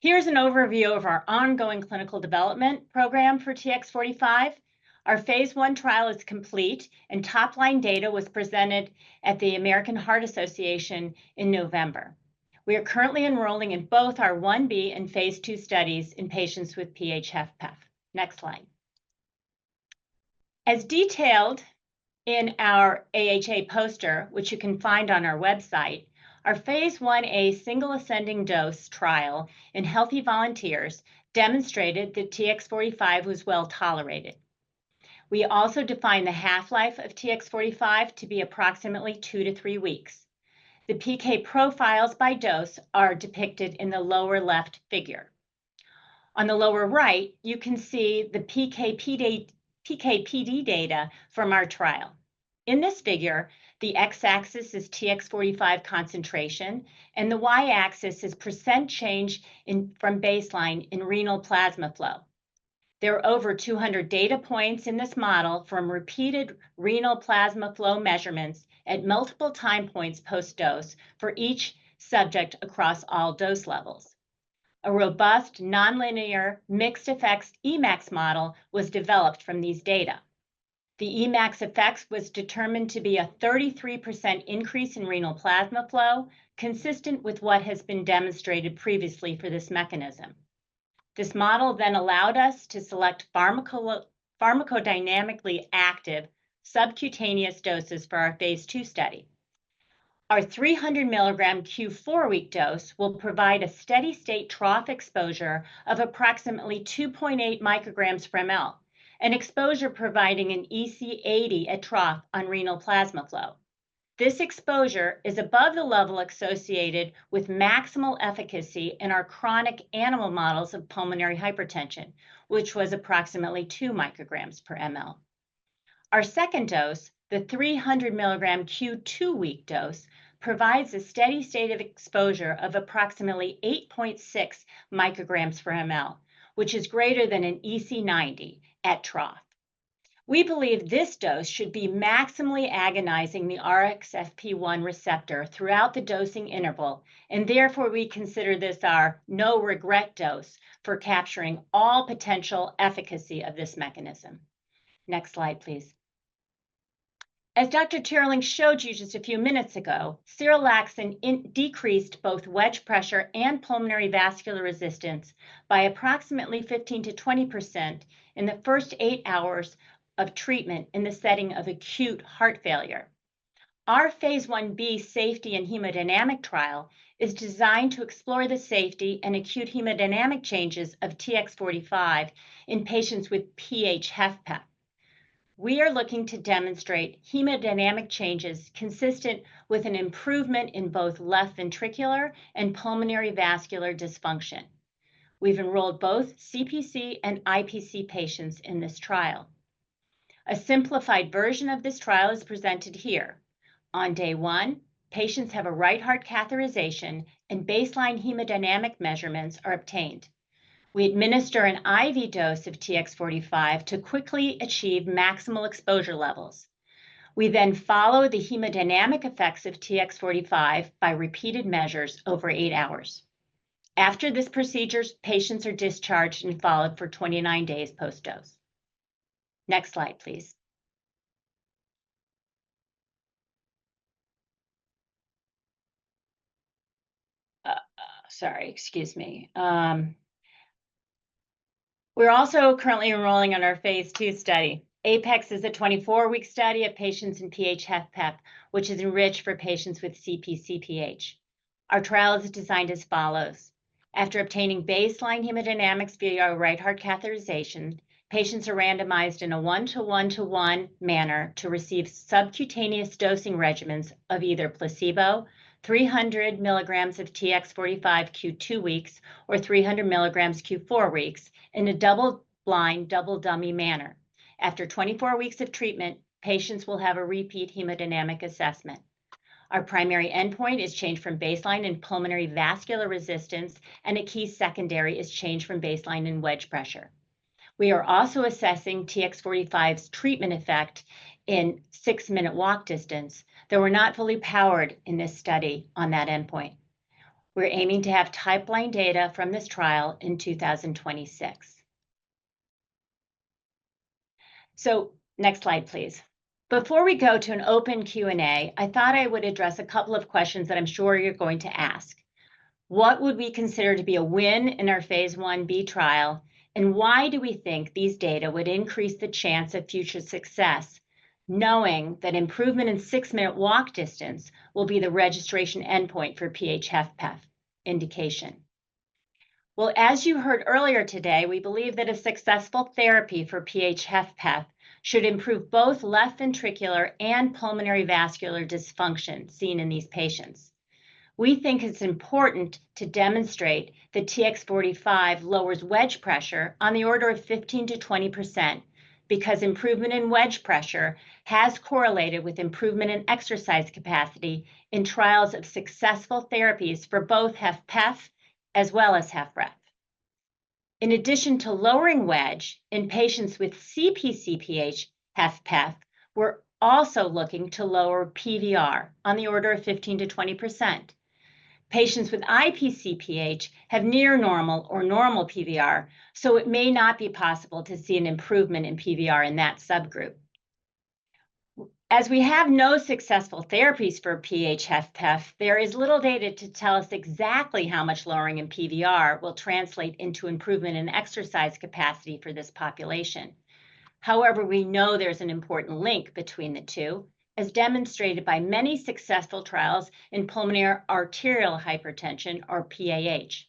Here's an overview of our ongoing clinical development program for TX45. Our phase I trial is complete, and top-line data was presented at the American Heart Association in November. We are currently enrolling in both our I-B and phase II studies in patients with PH-HFpEF. Next slide. As detailed in our AHA poster, which you can find on our website, our phase I-A single ascending dose trial in healthy volunteers demonstrated that TX45 was well tolerated. We also define the half-life of TX45 to be approximately two to three weeks. The PK profiles by dose are depicted in the lower left figure. On the lower right, you can see the PKPD data from our trial. In this figure, the x-axis is TX45 concentration, and the y-axis is percent change from baseline in renal plasma flow. There are over 200 data points in this model from repeated renal plasma flow measurements at multiple time points post-dose for each subject across all dose levels. A robust nonlinear mixed effects Emax model was developed from these data. The Emax effect was determined to be a 33% increase in renal plasma flow, consistent with what has been demonstrated previously for this mechanism. This model then allowed us to select pharmacodynamically active subcutaneous doses for our phase II study. Our 300 milligram Q4 week dose will provide a steady state trough exposure of approximately 2.8 micrograms per ml, an exposure providing an EC80 at trough on renal plasma flow. This exposure is above the level associated with maximal efficacy in our chronic animal models of pulmonary hypertension, which was approximately 2 micrograms per ml. Our second dose, the 300 milligrams Q2 week dose, provides a steady state of exposure of approximately 8.6 micrograms per ml, which is greater than an EC90 at trough. We believe this dose should be maximally agonizing the RXFP1 receptor throughout the dosing interval, and therefore we consider this our no regret dose for capturing all potential efficacy of this mechanism. Next slide, please. As Dr. Teerlink showed you just a few minutes ago, serelaxin decreased both wedge pressure and pulmonary vascular resistance by approximately 15%-20% in the first eight hours of treatment in the setting of acute heart failure. Our phase I-B safety and hemodynamic trial is designed to explore the safety and acute hemodynamic changes of TX45 in patients with PH-HFpEF. We are looking to demonstrate hemodynamic changes consistent with an improvement in both left ventricular and pulmonary vascular dysfunction. We've enrolled both CpcPH and IpcPH patients in this trial. A simplified version of this trial is presented here. On day one, patients have a right heart catheterization and baseline hemodynamic measurements are obtained. We administer an IV dose of TX45 to quickly achieve maximal exposure levels. We then follow the hemodynamic effects of TX45 by repeated measures over eight hours. After this procedure, patients are discharged and followed for 29 days post-dose. Next slide, please. Sorry, excuse me. We're also currently enrolling in our phase II study. APEX is a 24-week study of patients in PH-HFpEF, which is enriched for patients with CpcPH. Our trial is designed as follows. After obtaining baseline hemodynamics via our right heart catheterization, patients are randomized in a one-to-one-to-one manner to receive subcutaneous dosing regimens of either placebo, 300 milligrams of TX45 Q2 weeks, or 300 milligrams Q4 weeks in a double-blind, double-dummy manner. After 24 weeks of treatment, patients will have a repeat hemodynamic assessment. Our primary endpoint is changed from baseline in pulmonary vascular resistance, and a key secondary is changed from baseline in wedge pressure. We are also assessing TX45's treatment effect in six-minute walk distance, though we're not fully powered in this study on that endpoint. We're aiming to have pipeline data from this trial in 2026. So next slide, please. Before we go to an open Q&A, I thought I would address a couple of questions that I'm sure you're going to ask. What would we consider to be a win in our phase I-B trial, and why do we think these data would increase the chance of future success, knowing that improvement in six-minute walk distance will be the registration endpoint for PH-HFpEF indication? As you heard earlier today, we believe that a successful therapy for PH-HFpEF should improve both left ventricular and pulmonary vascular dysfunction seen in these patients. We think it's important to demonstrate that TX45 lowers wedge pressure on the order of 15%-20% because improvement in wedge pressure has correlated with improvement in exercise capacity in trials of successful therapies for both HFpEF as well as HFrEF. In addition to lowering wedge in patients with CpcPH PH-HFpEF, we're also looking to lower PVR on the order of 15%-20%. Patients with IpcPH have near normal or normal PVR, so it may not be possible to see an improvement in PVR in that subgroup. As we have no successful therapies for PH-HFpEF, there is little data to tell us exactly how much lowering in PVR will translate into improvement in exercise capacity for this population. However, we know there's an important link between the two, as demonstrated by many successful trials in pulmonary arterial hypertension, or PAH.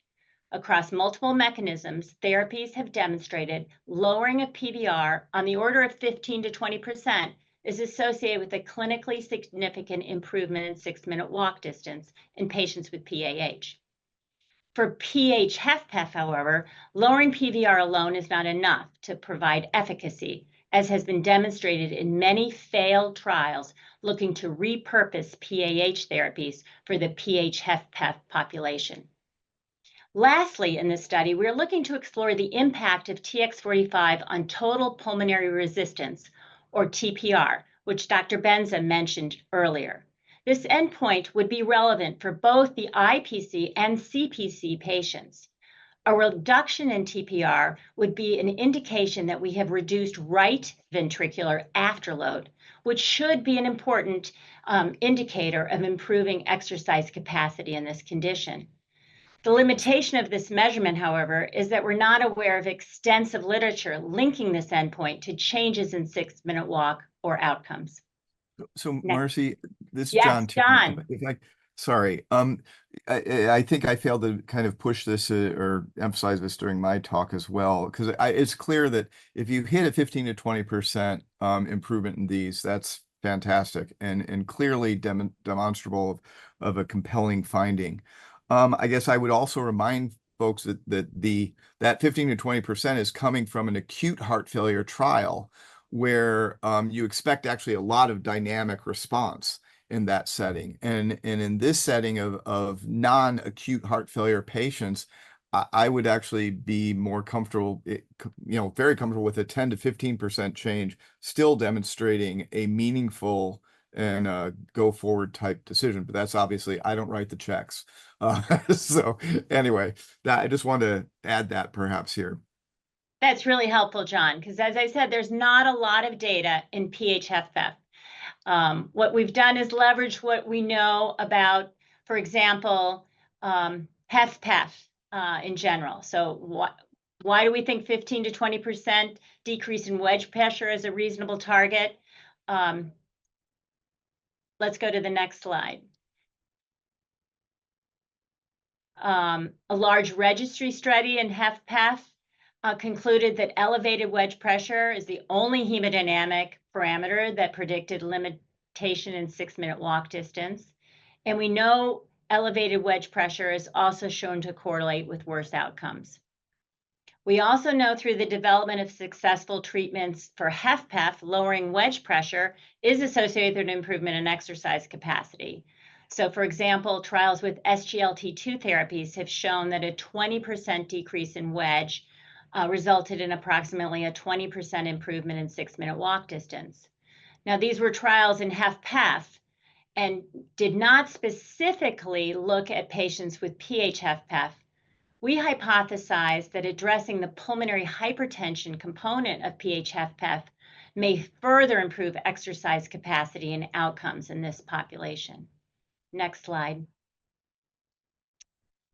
Across multiple mechanisms, therapies have demonstrated lowering of PVR on the order of 15%-20% is associated with a clinically significant improvement in six-minute walk distance in patients with PAH. For PH-HFpEF, however, lowering PVR alone is not enough to provide efficacy, as has been demonstrated in many failed trials looking to repurpose PH therapies for the PH-HFpEF population. Lastly, in this study, we are looking to explore the impact of TX45 on total pulmonary resistance, or TPR, which Dr. Benza mentioned earlier. This endpoint would be relevant for both the IPC and CPC patients. A reduction in TPR would be an indication that we have reduced right ventricular afterload, which should be an important indicator of improving exercise capacity in this condition. The limitation of this measurement, however, is that we're not aware of extensive literature linking this endpoint to changes in six-minute walk or outcomes. So, Marcie, this is John. Yeah, John. Sorry. I think I failed to kind of push this or emphasize this during my talk as well, because it's clear that if you hit a 15%-20% improvement in these, that's fantastic and clearly demonstrable of a compelling finding. I guess I would also remind folks that that 15%-20% is coming from an acute heart failure trial where you expect actually a lot of dynamic response in that setting, and in this setting of non-acute heart failure patients, I would actually be more comfortable, very comfortable with a 10%-15% change still demonstrating a meaningful and a go-forward type decision, but that's obviously, I don't write the checks. So anyway, I just want to add that perhaps here. That's really helpful, John, because as I said, there's not a lot of data in PH-HFpEF. What we've done is leverage what we know about, for example, PH-HFpEF in general. So why do we think 15%-20% decrease in wedge pressure is a reasonable target? Let's go to the next slide. A large registry study in PH-HFpEF concluded that elevated wedge pressure is the only hemodynamic parameter that predicted limitation in six-minute walk distance, and we know elevated wedge pressure is also shown to correlate with worse outcomes. We also know through the development of successful treatments for PH-HFpEF, lowering wedge pressure is associated with an improvement in exercise capacity, so, for example, trials with SGLT2 therapies have shown that a 20% decrease in wedge resulted in approximately a 20% improvement in six-minute walk distance. Now, these were trials in PH-HFpEF and did not specifically look at patients with PH-HFpEF. We hypothesize that addressing the pulmonary hypertension component of PH-HFpEF may further improve exercise capacity and outcomes in this population. Next slide,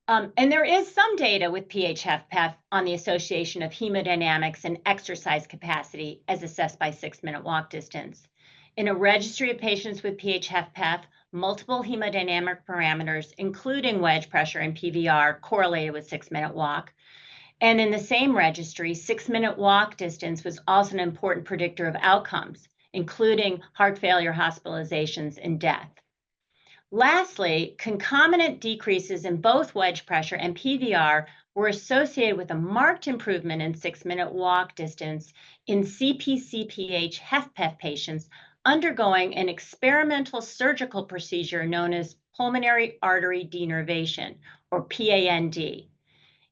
and there is some data with PH-HFpEF on the association of hemodynamics and exercise capacity as assessed by six-minute walk distance. In a registry of patients with PH-HFpEF, multiple hemodynamic parameters, including wedge pressure and PVR, correlated with six-minute walk. In the same registry, six-minute walk distance was also an important predictor of outcomes, including heart failure, hospitalizations, and death. Lastly, concomitant decreases in both wedge pressure and PVR were associated with a marked improvement in six-minute walk distance in CpcPH-HFpEF patients undergoing an experimental surgical procedure known as pulmonary artery denervation, or PADN.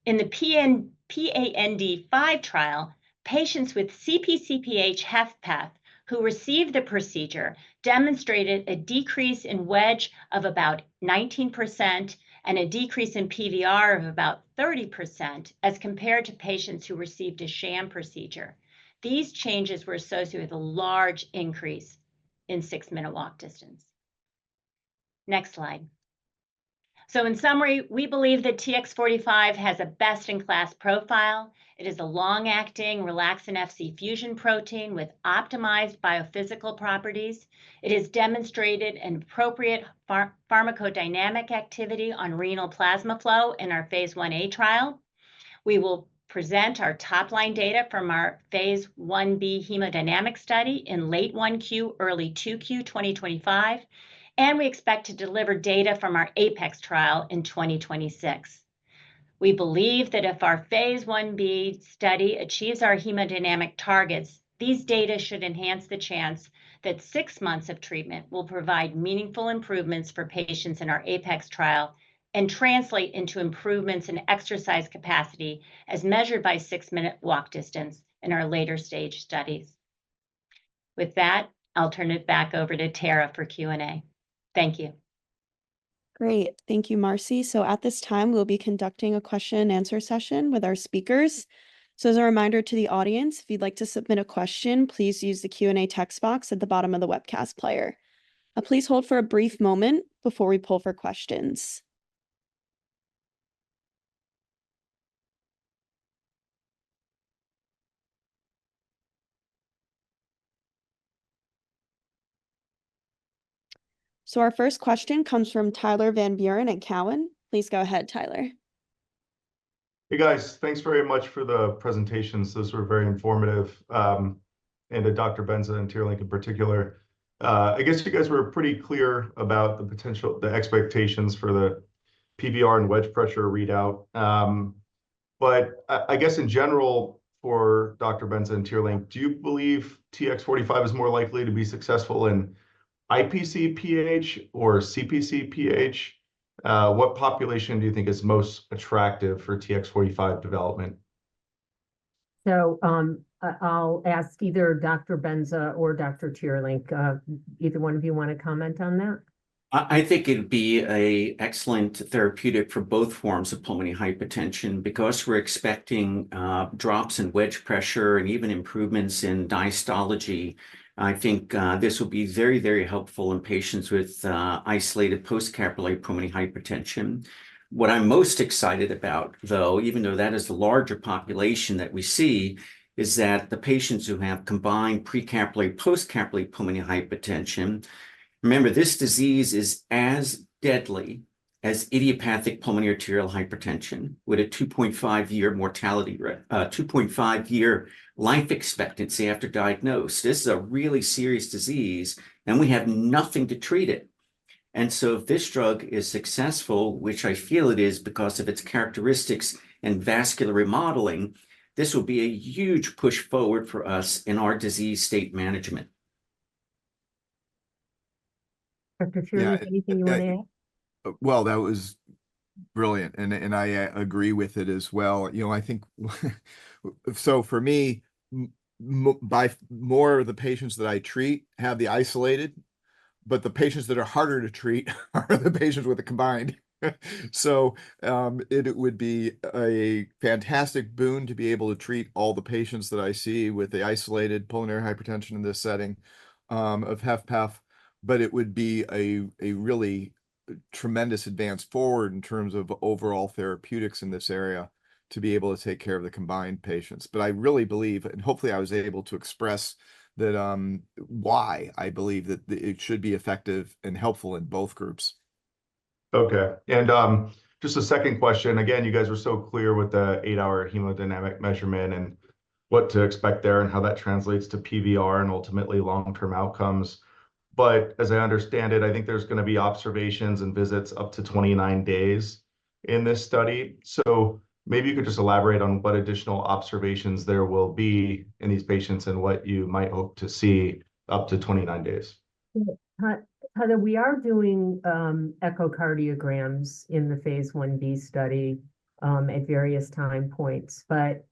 In the PADN-5 trial, patients with CpcPH-HFpEF who received the procedure demonstrated a decrease in wedge of about 19% and a decrease in PVR of about 30% as compared to patients who received a sham procedure. These changes were associated with a large increase in six-minute walk distance. Next slide. In summary, we believe that TX45 has a best-in-class profile. It is a long-acting relaxin-Fc fusion protein with optimized biophysical properties. It has demonstrated an appropriate pharmacodynamic activity on renal plasma flow in our phase I-A trial. We will present our top-line data from our phase I-B hemodynamic study in late 1Q, early 2Q 2025, and we expect to deliver data from our APEX trial in 2026. We believe that if our phase I-B study achieves our hemodynamic targets, these data should enhance the chance that six months of treatment will provide meaningful improvements for patients in our APEX trial and translate into improvements in exercise capacity as measured by six-minute walk distance in our later stage studies. With that, I'll turn it back over to Tara for Q&A. Thank you. Great. Thank you, Marcie. So, at this time, we'll be conducting a question-and-answer session with our speakers. So, as a reminder to the audience, if you'd like to submit a question, please use the Q&A text box at the bottom of the webcast player. Please hold for a brief moment before we pull for questions. So, our first question comes from Tyler Van Buren at TD Cowen. Please go ahead, Tyler. Hey, guys. Thanks very much for the presentations. Those were very informative. And to Dr. Benza and Teerlink in particular, I guess you guys were pretty clear about the potential, the expectations for the PVR and wedge pressure readout. But I guess in general, for Dr. Benza and Teerlink, do you believe TX45 is more likely to be successful in IpcPH or CpcPH? What population do you think is most attractive for TX45 development? So, I'll ask either Dr. Benza or Dr. Teerlink. Either one of you want to comment on that? I think it'd be an excellent therapeutic for both forms of pulmonary hypertension because we're expecting drops in wedge pressure and even improvements in diastology. I think this will be very, very helpful in patients with isolated post-capillary pulmonary hypertension. What I'm most excited about, though, even though that is the larger population that we see, is that the patients who have combined pre-capillary and post-capillary pulmonary hypertension, remember, this disease is as deadly as idiopathic pulmonary arterial hypertension with a 2.5-year mortality, 2.5-year life expectancy after diagnosis. This is a really serious disease, and we have nothing to treat it. And so, if this drug is successful, which I feel it is because of its characteristics and vascular remodeling, this will be a huge push forward for us in our disease state management. Dr. Teerlink, anything you want to add? Well, that was brilliant. And I agree with it as well. You know, I think, so for me, by more of the patients that I treat have the isolated, but the patients that are harder to treat are the patients with the combined. So, it would be a fantastic boon to be able to treat all the patients that I see with the isolated pulmonary hypertension in this setting of PH-HFpEF, but it would be a really tremendous advance forward in terms of overall therapeutics in this area to be able to take care of the combined patients. But I really believe, and hopefully I was able to express that why I believe that it should be effective and helpful in both groups. Okay. And just a second question. Again, you guys were so clear with the eight-hour hemodynamic measurement and what to expect there and how that translates to PVR and ultimately long-term outcomes. But as I understand it, I think there's going to be observations and visits up to 29 days in this study. So maybe you could just elaborate on what additional observations there will be in these patients and what you might hope to see up to 29 days. Yeah. Tyler, we are doing echocardiograms in the phase I-B study at various time points. But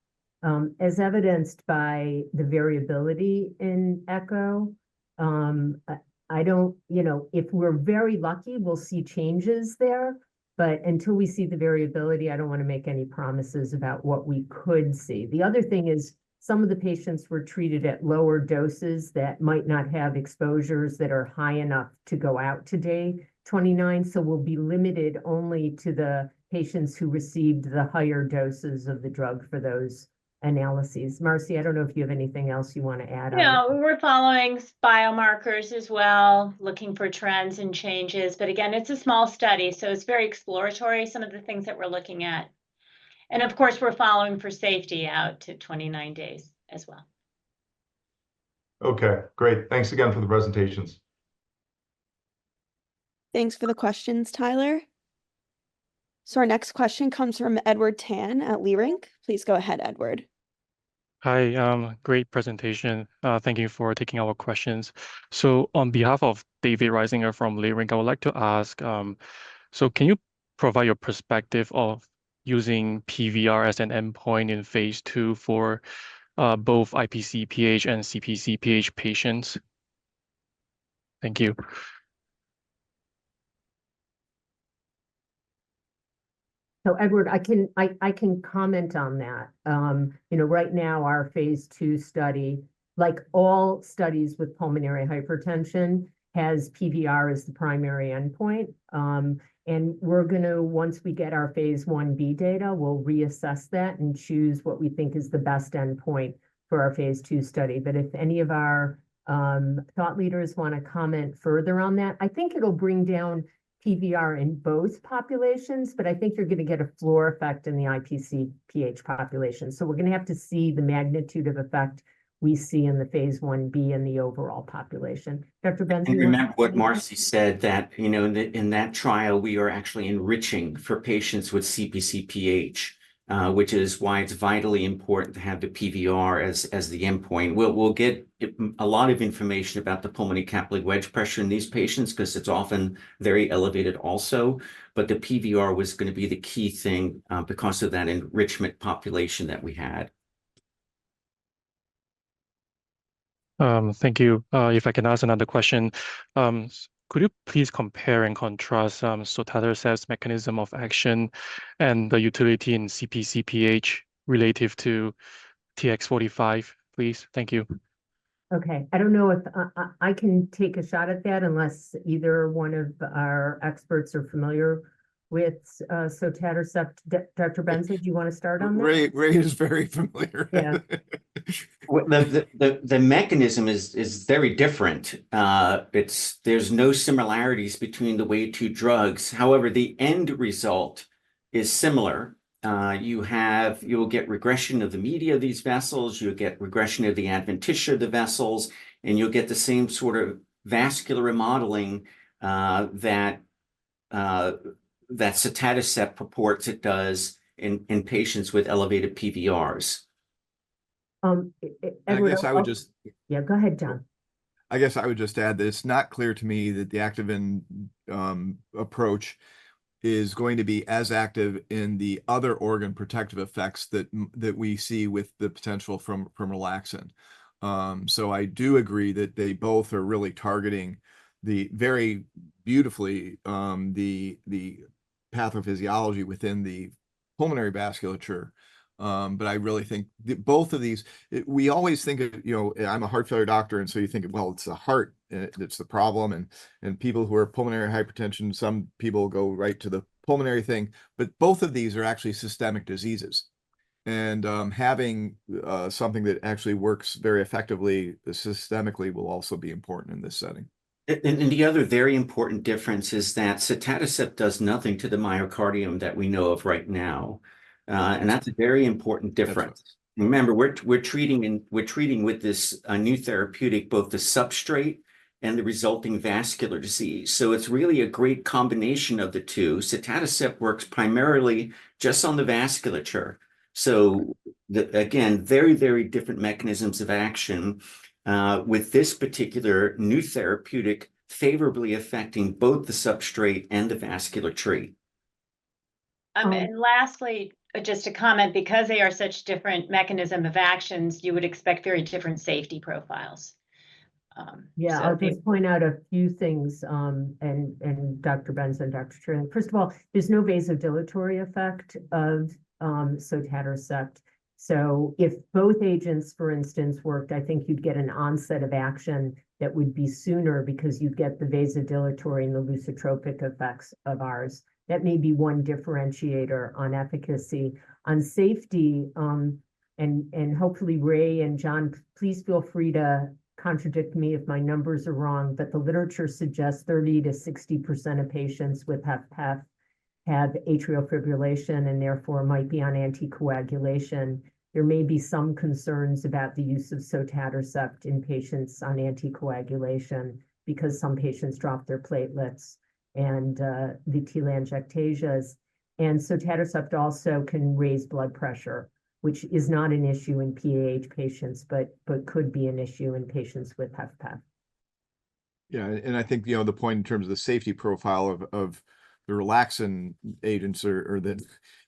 as evidenced by the variability in echo, I don't, you know, if we're very lucky, we'll see changes there. But until we see the variability, I don't want to make any promises about what we could see. The other thing is some of the patients were treated at lower doses that might not have exposures that are high enough to go out to day 29. So we'll be limited only to the patients who received the higher doses of the drug for those analyses. Marcie, I don't know if you have anything else you want to add on. No, we're following biomarkers as well, looking for trends and changes. But again, it's a small study, so it's very exploratory, some of the things that we're looking at. And of course, we're following for safety out to 29 days as well. Okay. Great. Thanks again for the presentations. Thanks for the questions, Tyler. So our next question comes from Edward Tan at Leerink. Please go ahead, Edward. Hi. Great presentation. Thank you for taking our questions. So on behalf of David Risinger from Leerink, I would like to ask, so can you provide your perspective of using PVR as an endpoint in phase II for both IpcPH and CpcPH patients? Thank you. So, Edward, I can comment on that. You know, right now, our phase II study, like all studies with pulmonary hypertension, has PVR as the primary endpoint. And we're going to, once we get our phase I-B data, we'll reassess that and choose what we think is the best endpoint for our phase II study. But if any of our thought leaders want to comment further on that, I think it'll bring down PVR in both populations, but I think you're going to get a floor effect in the IpcPH population. So we're going to have to see the magnitude of effect we see in the phase I-B in the overall population. Dr. Benza? I think what Marcie said, that, you know, in that trial, we are actually enriching for patients with CpcPH, which is why it's vitally important to have the PVR as the endpoint. We'll get a lot of information about the pulmonary capillary wedge pressure in these patients because it's often very elevated also. But the PVR was going to be the key thing because of that enrichment population that we had. Thank you. If I can ask another question, could you please compare and contrast, so Tyler says, mechanism of action and the utility in CpcPH relative to TX45, please? Thank you. Okay. I don't know if I can take a shot at that unless either one of our experts are familiar with. So, Tyler, Dr. Benza, do you want to start on that? Ray is very familiar. Yeah. The mechanism is very different. There's no similarities between the way two drugs. However, the end result is similar. You will get regression of the media of these vessels. You'll get regression of the adventitia of the vessels, and you'll get the same sort of vascular remodeling that sotatercept purports it does in patients with elevated PVRs. I guess I would just... Yeah, go ahead, John. I guess I would just add that it's not clear to me that the activin approach is going to be as active in the other organ protective effects that we see with the potential from relaxin. So I do agree that they both are really targeting very beautifully the pathophysiology within the pulmonary vasculature. But I really think both of these. We always think of, you know, I'm a heart failure doctor, and so you think of, well, it's the heart that's the problem. And people who are pulmonary hypertension, some people go right to the pulmonary thing. But both of these are actually systemic diseases. And having something that actually works very effectively systemically will also be important in this setting. And the other very important difference is that sotatercept does nothing to the myocardium that we know of right now. And that's a very important difference. Remember, we're treating with this new therapeutic both the substrate and the resulting vascular disease. So it's really a great combination of the two. Sotatercept works primarily just on the vasculature. So again, very, very different mechanisms of action with this particular new therapeutic favorably affecting both the substrate and the vascular tree. And lastly, just to comment, because they are such different mechanisms of actions, you would expect very different safety profiles. Yeah. I'll just point out a few things. And Dr. Benza, and Dr. Teerlink, first of all, there's no vasodilatory effect of sotatercept. So if both agents, for instance, worked, I think you'd get an onset of action that would be sooner because you'd get the vasodilatory and the lusitropic effects of ours. That may be one differentiator on efficacy. On safety, and hopefully Ray and John, please feel free to contradict me if my numbers are wrong, but the literature suggests 30%-60% of patients with PH-HFpEF have atrial fibrillation and therefore might be on anticoagulation. There may be some concerns about the use of sotatercept in patients on anticoagulation because some patients drop their platelets and the telangiectasias. sotatercept also can raise blood pressure, which is not an issue in PH patients, but could be an issue in patients with PH-HFpEF. Yeah. I think, you know, the point in terms of the safety profile of the relaxin agents or that,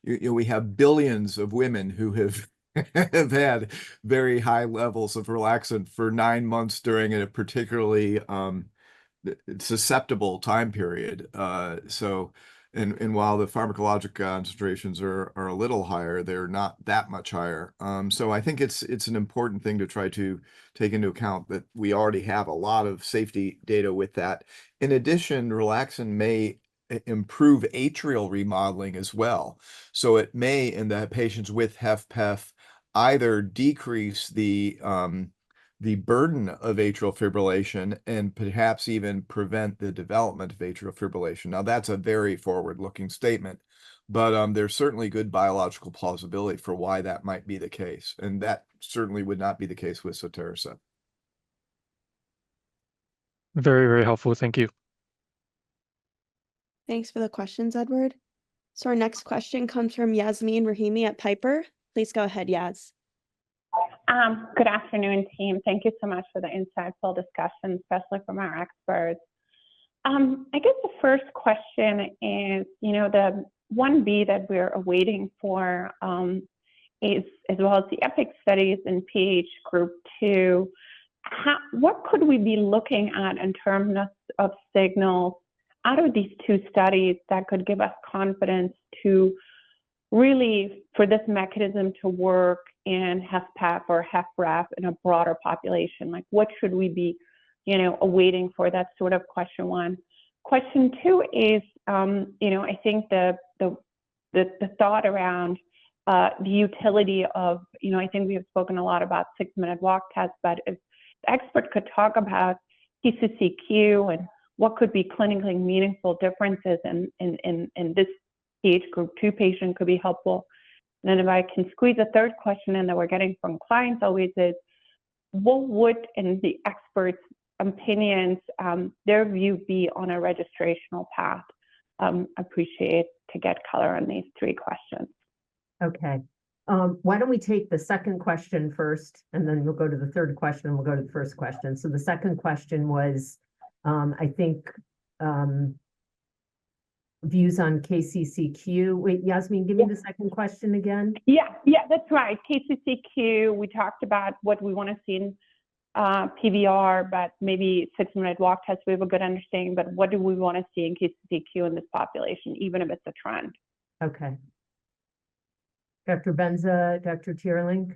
you know, we have billions of women who have had very high levels of relaxin for nine months during a particularly susceptible time period. And while the pharmacologic concentrations are a little higher, they're not that much higher. I think it's an important thing to try to take into account that we already have a lot of safety data with that. In addition, relaxin may improve atrial remodeling as well. It may, in the patients with PH-HFpEF, either decrease the burden of atrial fibrillation and perhaps even prevent the development of atrial fibrillation. Now, that's a very forward-looking statement, but there's certainly good biological plausibility for why that might be the case. And that certainly would not be the case with cytotoxic. Very, very helpful. Thank you. Thanks for the questions, Edward. So our next question comes from Yasmeen Rahimi at Piper Sandler. Please go ahead, Yas. Good afternoon, team. Thank you so much for the insightful discussion, especially from our experts. I guess the first question is, you know, the 1b that we're awaiting for as well as the APEX studies in PH Group 2, what could we be looking at in terms of signals out of these two studies that could give us confidence to really, for this mechanism to work in PH-HFpEF or PH-HFpEF in a broader population? Like, what should we be, you know, awaiting for? That's sort of question one. Question two is, you know, I think the thought around the utility of, you know, I think we have spoken a lot about six-minute walk tests, but if the expert could talk about KCCQ and what could be clinically meaningful differences in this PH Group 2 patient could be helpful. And then if I can squeeze a third question in that we're getting from clients always is, what would, in the expert's opinions, their view be on a registrational path? I appreciate to get color on these three questions. Okay. Why don't we take the second question first, and then we'll go to the third question, and we'll go to the first question. So the second question was, I think, views on KCCQ. Wait, Yasmeen, give me the second question again. Yeah. Yeah, that's right. KCCQ, we talked about what we want to see in PVR, but maybe six-minute walk test. We have a good understanding, but what do we want to see in KCCQ in this population, even if it's a trend? Okay. Dr. Benza, Dr. Teerlink?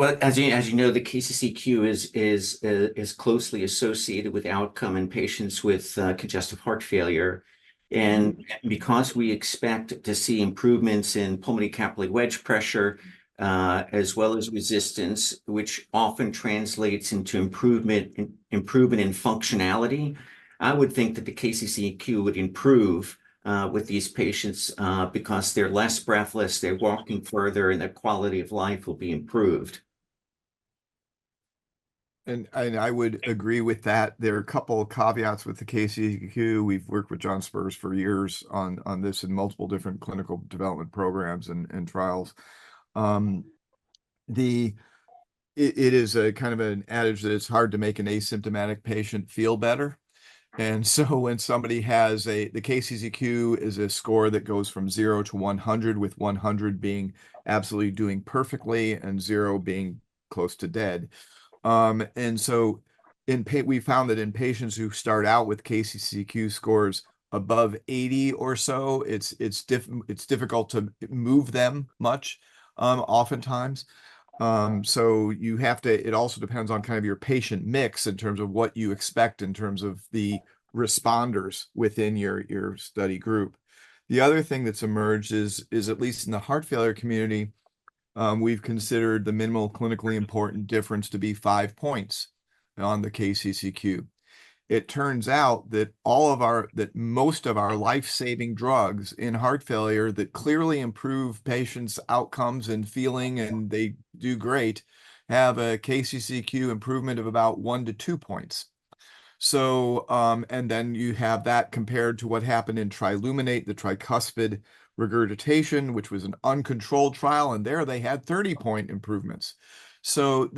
Well, as you know, the KCCQ is closely associated with outcome in patients with congestive heart failure. And because we expect to see improvements in pulmonary capillary wedge pressure as well as resistance, which often translates into improvement in functionality, I would think that the KCCQ would improve with these patients because they're less breathless, they're walking further, and their quality of life will be improved. And I would agree with that. There are a couple of caveats with the KCCQ. We've worked with John Spertus for years on this in multiple different clinical development programs and trials. It is a kind of an adage that it's hard to make an asymptomatic patient feel better. And so when somebody has a KCCQ, the KCCQ is a score that goes from zero to 100, with 100 being absolutely doing perfectly and zero being close to dead. And so we found that in patients who start out with KCCQ scores above 80 or so, it's difficult to move them much oftentimes. So you have to. It also depends on kind of your patient mix in terms of what you expect in terms of the responders within your study group. The other thing that's emerged is, at least in the heart failure community, we've considered the minimal clinically important difference to be five points on the KCCQ. It turns out that most of our lifesaving drugs in heart failure that clearly improve patients' outcomes and feeling, and they do great, have a KCCQ improvement of about one to two points. And then you have that compared to what happened in TRILUMINATE, the tricuspid regurgitation, which was an uncontrolled trial, and there they had 30-point improvements. So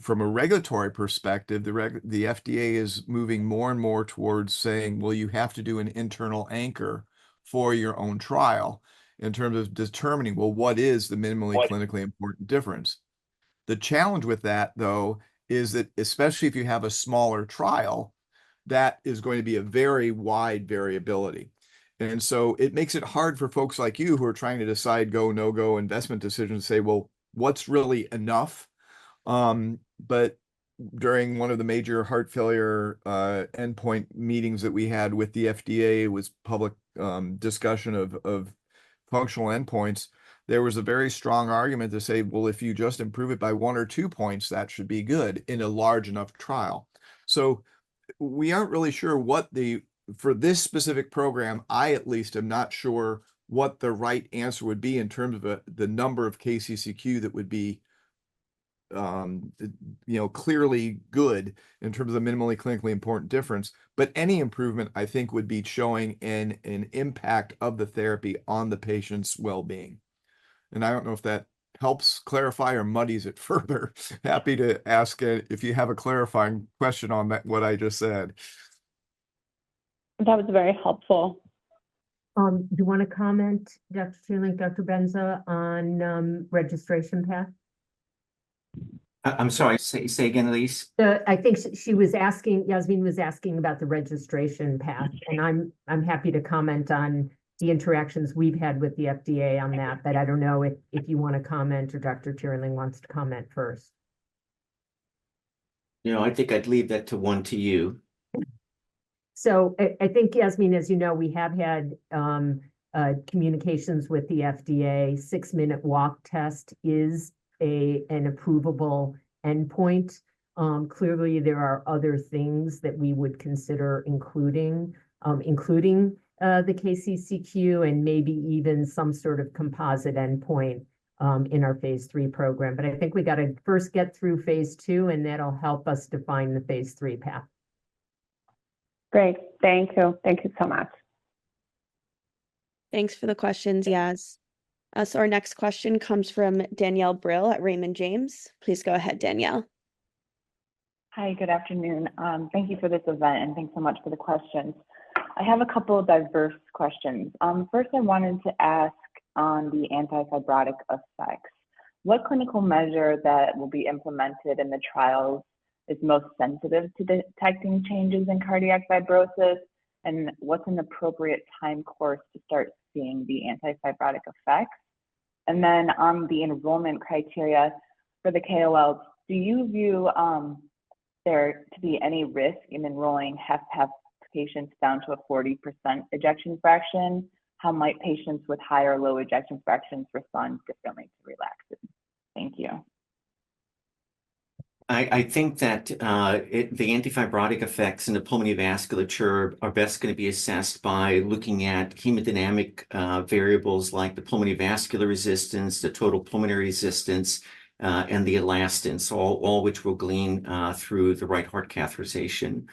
from a regulatory perspective, the FDA is moving more and more towards saying, well, you have to do an internal anchor for your own trial in terms of determining, well, what is the minimally clinically important difference? The challenge with that, though, is that especially if you have a smaller trial, that is going to be a very wide variability. And so it makes it hard for folks like you who are trying to decide go, no-go investment decisions to say, well, what's really enough? But during one of the major heart failure endpoint meetings that we had with the FDA, there was public discussion of functional endpoints. There was a very strong argument to say, well, if you just improve it by one or two points, that should be good in a large enough trial. So we aren't really sure what the—for this specific program, I at least am not sure what the right answer would be in terms of the number of KCCQ that would be, you know, clearly good in terms of the minimally clinically important difference. But any improvement, I think, would be showing an impact of the therapy on the patient's well-being. And I don't know if that helps clarify or muddies it further. Happy to ask if you have a clarifying question on what I just said. That was very helpful. Do you want to comment, Dr. Teerlink, Dr. Benza, on registration path? I'm sorry, say again, Alise. I think she was asking, Yasmeen was asking about the registration path. And I'm happy to comment on the interactions we've had with the FDA on that. But I don't know if you want to comment or Dr. Teerlink wants to comment first. You know, I think I'd leave that to one to you. So I think, Yasmeen, as you know, we have had communications with the FDA. Six-minute walk test is an approvable endpoint. Clearly, there are other things that we would consider including the KCCQ and maybe even some sort of composite endpoint in our phase III program. But I think we got to first get through phase II, and that'll help us define the phase III path. Great. Thank you. Thank you so much. Thanks for the questions, Yas. Our next question comes from Danielle Brill at Raymond James. Please go ahead, Danielle. Hi, good afternoon. Thank you for this event, and thanks so much for the questions. I have a couple of diverse questions. First, I wanted to ask on the antifibrotic effects. What clinical measure that will be implemented in the trials is most sensitive to detecting changes in cardiac fibrosis, and what's an appropriate time course to start seeing the antifibrotic effects? And then on the enrollment criteria for the KOLs, do you view there to be any risk in enrolling PH-HFpEF patients down to a 40% ejection fraction? How might patients with high or low ejection fractions respond differently to relaxin? Thank you. I think that the antithrombotic effects in the pulmonary vasculature are best going to be assessed by looking at hemodynamic variables like the pulmonary vascular resistance, the total pulmonary resistance, and the elastance, all of which will be gleaned from the right heart catheterization.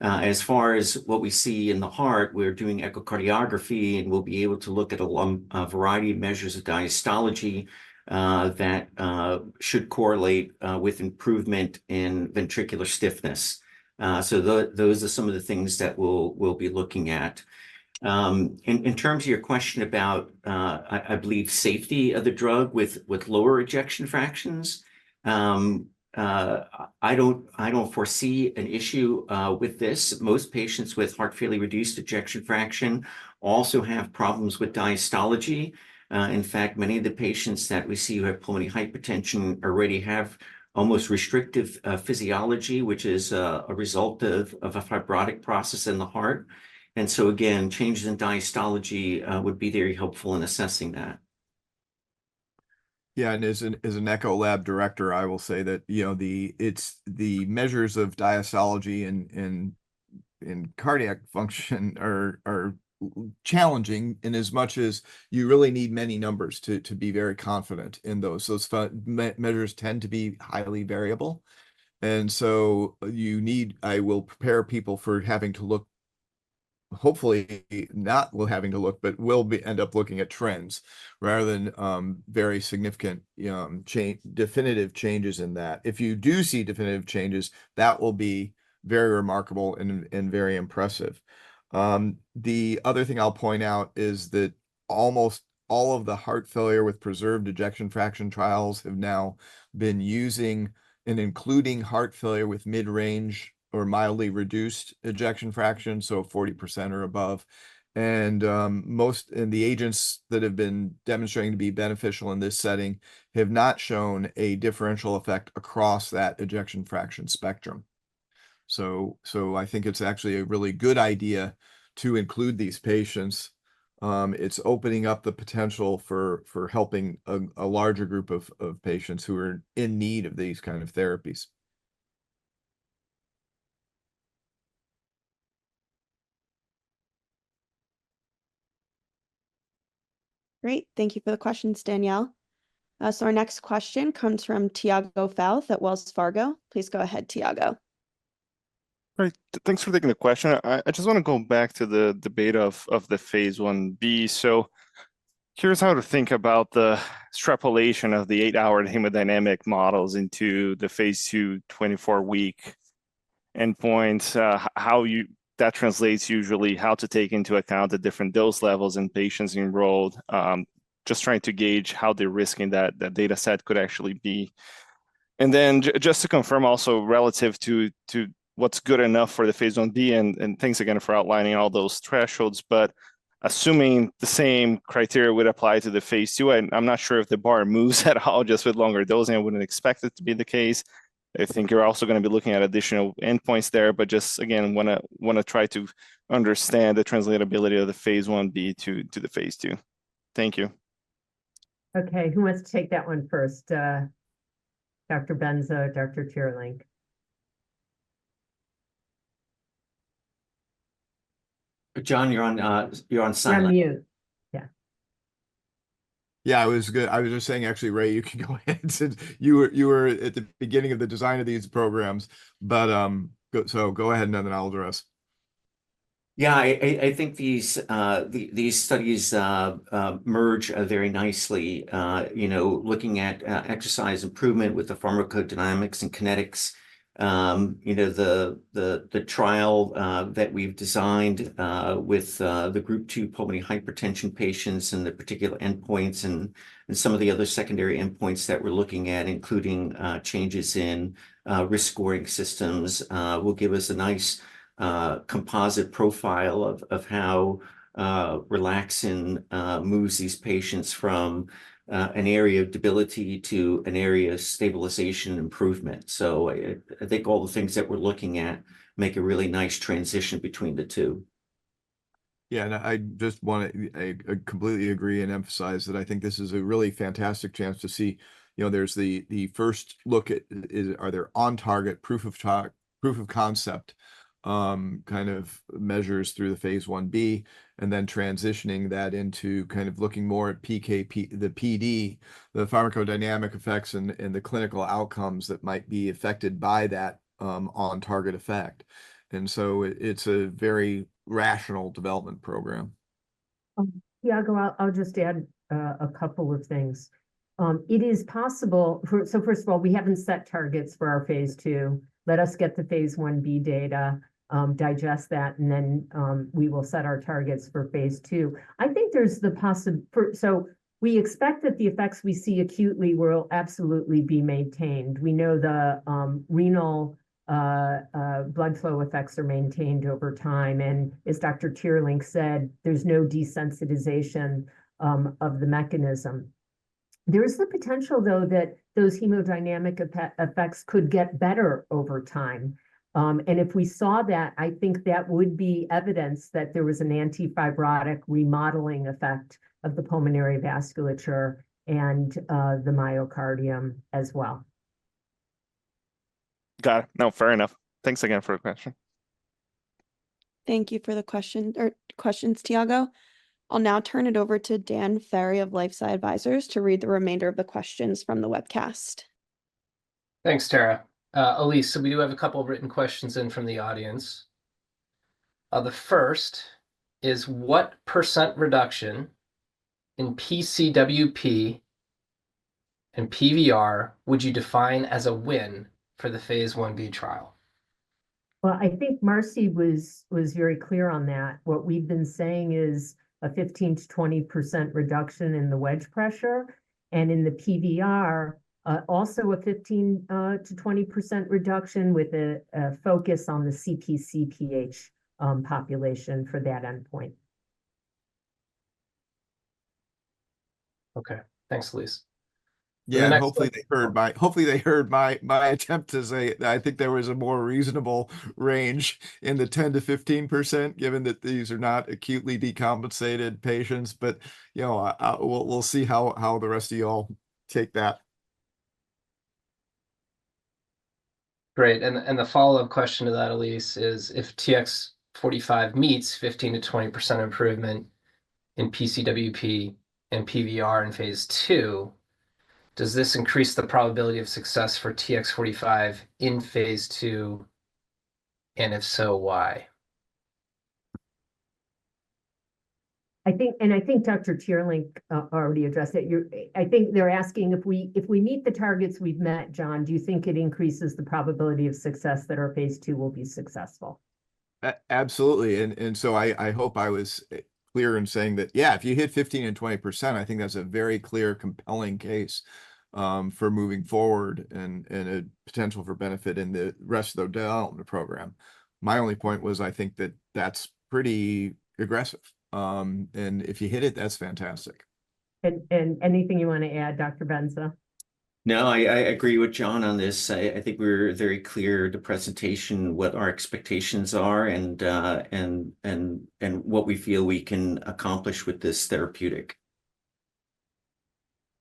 As far as what we see in the heart, we're doing echocardiography, and we'll be able to look at a variety of measures of diastology that should correlate with improvement in ventricular stiffness. Those are some of the things that we'll be looking at. In terms of your question about, I believe, safety of the drug with lower ejection fractions, I don't foresee an issue with this. Most patients with heart failure with reduced ejection fraction also have problems with diastology. In fact, many of the patients that we see who have pulmonary hypertension already have almost restrictive physiology, which is a result of a fibrotic process in the heart, and so again, changes in diastology would be very helpful in assessing that. Yeah, and as an echo lab director, I will say that, you know, the measures of diastology in cardiac function are challenging in as much as you really need many numbers to be very confident in those. Those measures tend to be highly variable, and so you need, I will prepare people for having to look, hopefully not having to look, but we'll end up looking at trends rather than very significant definitive changes in that. If you do see definitive changes, that will be very remarkable and very impressive. The other thing I'll point out is that almost all of the heart failure with preserved ejection fraction trials have now been using and including heart failure with mid-range or mildly reduced ejection fraction, so 40% or above, and most of the agents that have been demonstrating to be beneficial in this setting have not shown a differential effect across that ejection fraction spectrum, so I think it's actually a really good idea to include these patients. It's opening up the potential for helping a larger group of patients who are in need of these kinds of therapies. Great. Thank you for the questions, Danielle, so our next question comes from Tiago Fauth at Wells Fargo. Please go ahead, Tiago. All right. Thanks for taking the question. I just want to go back to the debate of the phase I-B. So here's how to think about the extrapolation of the eight-hour hemodynamic models into the phase II, 24-week endpoints, how that translates usually how to take into account the different dose levels in patients enrolled, just trying to gauge how the risk in that dataset could actually be. And then just to confirm also relative to what's good enough for the phase I-B, and thanks again for outlining all those thresholds, but assuming the same criteria would apply to the phase II, I'm not sure if the bar moves at all just with longer dosing. I wouldn't expect it to be the case. I think you're also going to be looking at additional endpoints there, but just again, want to try to understand the translatability of the phase I-B to the phase II. Thank you. Okay. Who wants to take that one first? Dr. Benza, Dr. Teerlink. John, you're on mute. On mute. Yeah. Yeah, I was just saying, actually, Ray, you can go ahead. You were at the beginning of the design of these programs. But so go ahead, and then I'll address. Yeah, I think these studies mesh very nicely. Looking at exercise improvement with the pharmacodynamics and pharmacokinetics, the trial that we've designed with the Group 2 pulmonary hypertension patients and the particular endpoints and some of the other secondary endpoints that we're looking at, including changes in risk scoring systems, will give us a nice composite profile of how relaxin moves these patients from an area of debility to an area of stabilization improvement. So I think all the things that we're looking at make a really nice transition between the two. Yeah, and I just want to completely agree and emphasize that I think this is a really fantastic chance to see, you know, there's the first look at, are there on-target, proof of concept kind of measures through the phase I-B, and then transitioning that into kind of looking more at the PD, the pharmacodynamic effects, and the clinical outcomes that might be affected by that on-target effect. And so it's a very rational development program. Tiago, I'll just add a couple of things. It is possible. So first of all, we haven't set targets for our phase II. Let us get the phase I-B data, digest that, and then we will set our targets for phase II. I think there's the possibility, so we expect that the effects we see acutely will absolutely be maintained. We know the renal blood flow effects are maintained over time. And as Dr. Teerlink said, there's no desensitization of the mechanism. There is the potential, though, that those hemodynamic effects could get better over time, and if we saw that, I think that would be evidence that there was an antifibrotic remodeling effect of the pulmonary vasculature and the myocardium as well. Got it. No, fair enough. Thanks again for the question. Thank you for the questions, Tiago. I'll now turn it over to Dan Ferry of LifeSci Advisors to read the remainder of the questions from the webcast. Thanks, Tara. Alise, so we do have a couple of written questions in from the audience. The first is, what percent reduction in PCWP and PVR would you define as a win for the phase I-B trial? Well, I think Marcie was very clear on that. What we've been saying is a 15%-20% reduction in the wedge pressure. In the PVR, also a 15%-20% reduction with a focus on the CpcPH population for that endpoint. Okay. Thanks, Alise. Yeah, hopefully they heard my attempt to say that I think there was a more reasonable range in the 10%-15%, given that these are not acutely decompensated patients. But we'll see how the rest of you all take that. Great. The follow-up question to that, Alise, is if TX45 meets 15%-20% improvement in PCWP and PVR in phase II, does this increase the probability of success for TX45 in phase II? And if so, why? I think Dr. Teerlink already addressed it. I think they're asking if we meet the targets we've met, John, do you think it increases the probability of success that our phase II will be successful? Absolutely. I hope I was clear in saying that, yeah, if you hit 15% and 20%, I think that's a very clear, compelling case for moving forward and a potential for benefit in the rest of the development program. My only point was, I think that that's pretty aggressive. And if you hit it, that's fantastic. And anything you want to add, Dr. Benza? No, I agree with John on this. I think we were very clear in the presentation what our expectations are and what we feel we can accomplish with this therapeutic.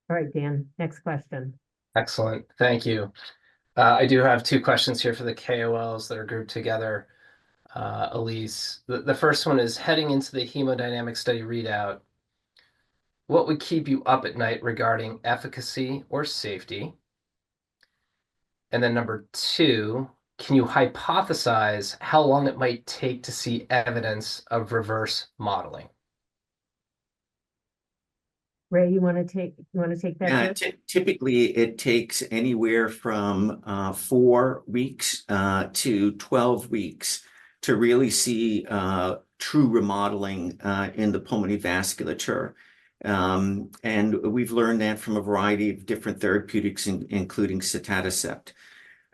All right, Dan. Next question. Excellent. Thank you. I do have two questions here for the KOLs that are grouped together, Alise. The first one is heading into the hemodynamic study readout, what would keep you up at night regarding efficacy or safety? And then number two, can you hypothesize how long it might take to see evidence of reverse remodeling? Ray, you want to take that? Typically, it takes anywhere from four weeks to 12 weeks to really see true remodeling in the pulmonary vasculature. And we've learned that from a variety of different therapeutics, including sotatercept.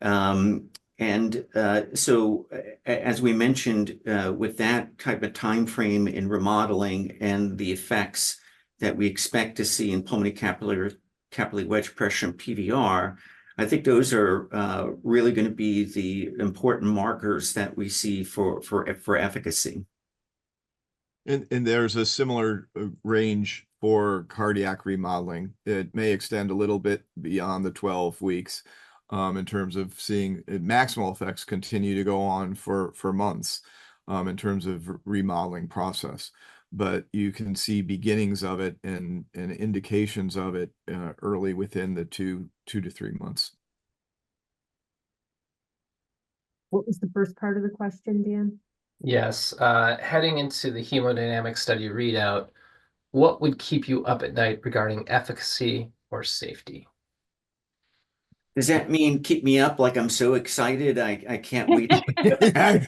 And so as we mentioned, with that type of timeframe in remodeling and the effects that we expect to see in pulmonary capillary wedge pressure and PVR, I think those are really going to be the important markers that we see for efficacy. And there's a similar range for cardiac remodeling. It may extend a little bit beyond the 12 weeks in terms of seeing maximal effects continue to go on for months in terms of remodeling process. But you can see beginnings of it and indications of it early within the two to three months. What was the first part of the question, Dan? Yes. Heading into the hemodynamic study readout, what would keep you up at night regarding efficacy or safety? Does that mean keep me up like I'm so excited I can't wait to get back?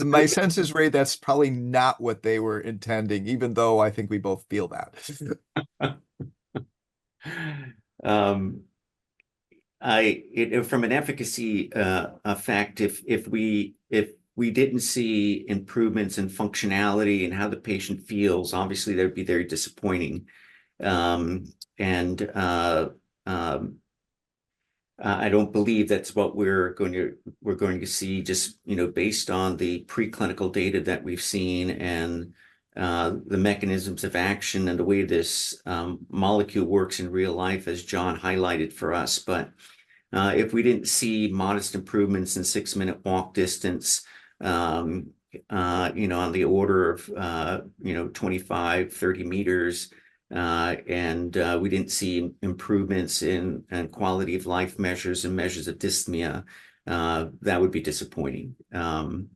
My sense is, Ray, that's probably not what they were intending, even though I think we both feel that. From an efficacy fact, if we didn't see improvements in functionality and how the patient feels, obviously, that would be very disappointing. And I don't believe that's what we're going to see just based on the preclinical data that we've seen and the mechanisms of action and the way this molecule works in real life, as John highlighted for us. But if we didn't see modest improvements in six-minute walk distance on the order of 25, 30 meters, and we didn't see improvements in quality of life measures and measures of dyspnea, that would be disappointing. From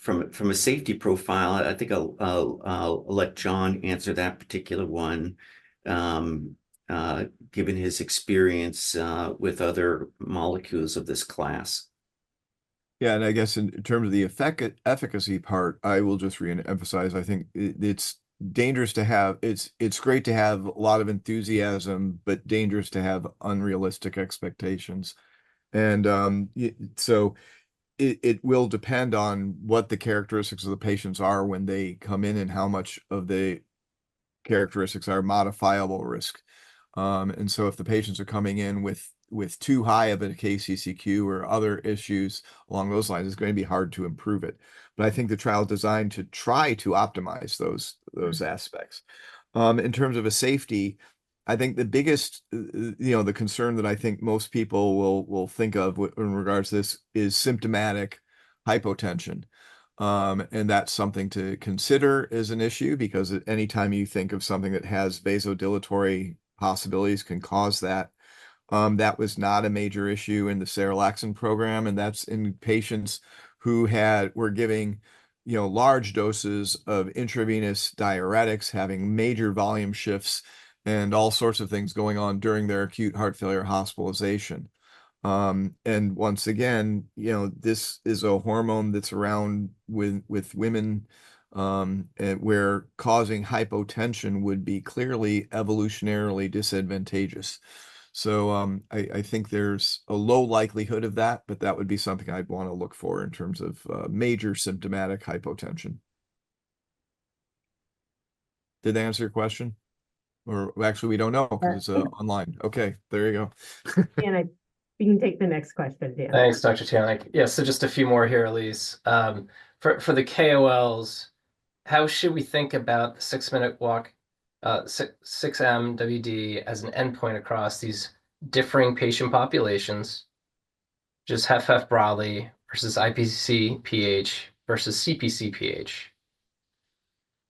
a safety profile, I think I'll let John answer that particular one given his experience with other molecules of this class. Yeah. And I guess in terms of the efficacy part, I will just re-emphasize, I think it's dangerous to have. It's great to have a lot of enthusiasm, but dangerous to have unrealistic expectations. And so it will depend on what the characteristics of the patients are when they come in and how much of the characteristics are modifiable risk. And so if the patients are coming in with too high of a KCCQ or other issues along those lines, it's going to be hard to improve it. But I think the trial is designed to try to optimize those aspects. In terms of a safety, I think the biggest concern that I think most people will think of in regards to this is symptomatic hypotension. And that's something to consider as an issue because anytime you think of something that has vasodilatory possibilities can cause that. That was not a major issue in the serelaxin program. And that's in patients who were given large doses of intravenous diuretics, having major volume shifts, and all sorts of things going on during their acute heart failure hospitalization. And once again, this is a hormone that's around with women where causing hypotension would be clearly evolutionarily disadvantageous. So I think there's a low likelihood of that, but that would be something I'd want to look for in terms of major symptomatic hypotension. Did that answer your question? Actually, we don't know because it's online. Okay. There you go. We can take the next question, Dan. Thanks, Dr. Teerlink. Yeah. Just a few more here, Alise. For the KOLs, how should we think about the six-minute walk, 6MWD, as an endpoint across these differing patient populations, just HFpEF versus IpcPH versus CpcPH?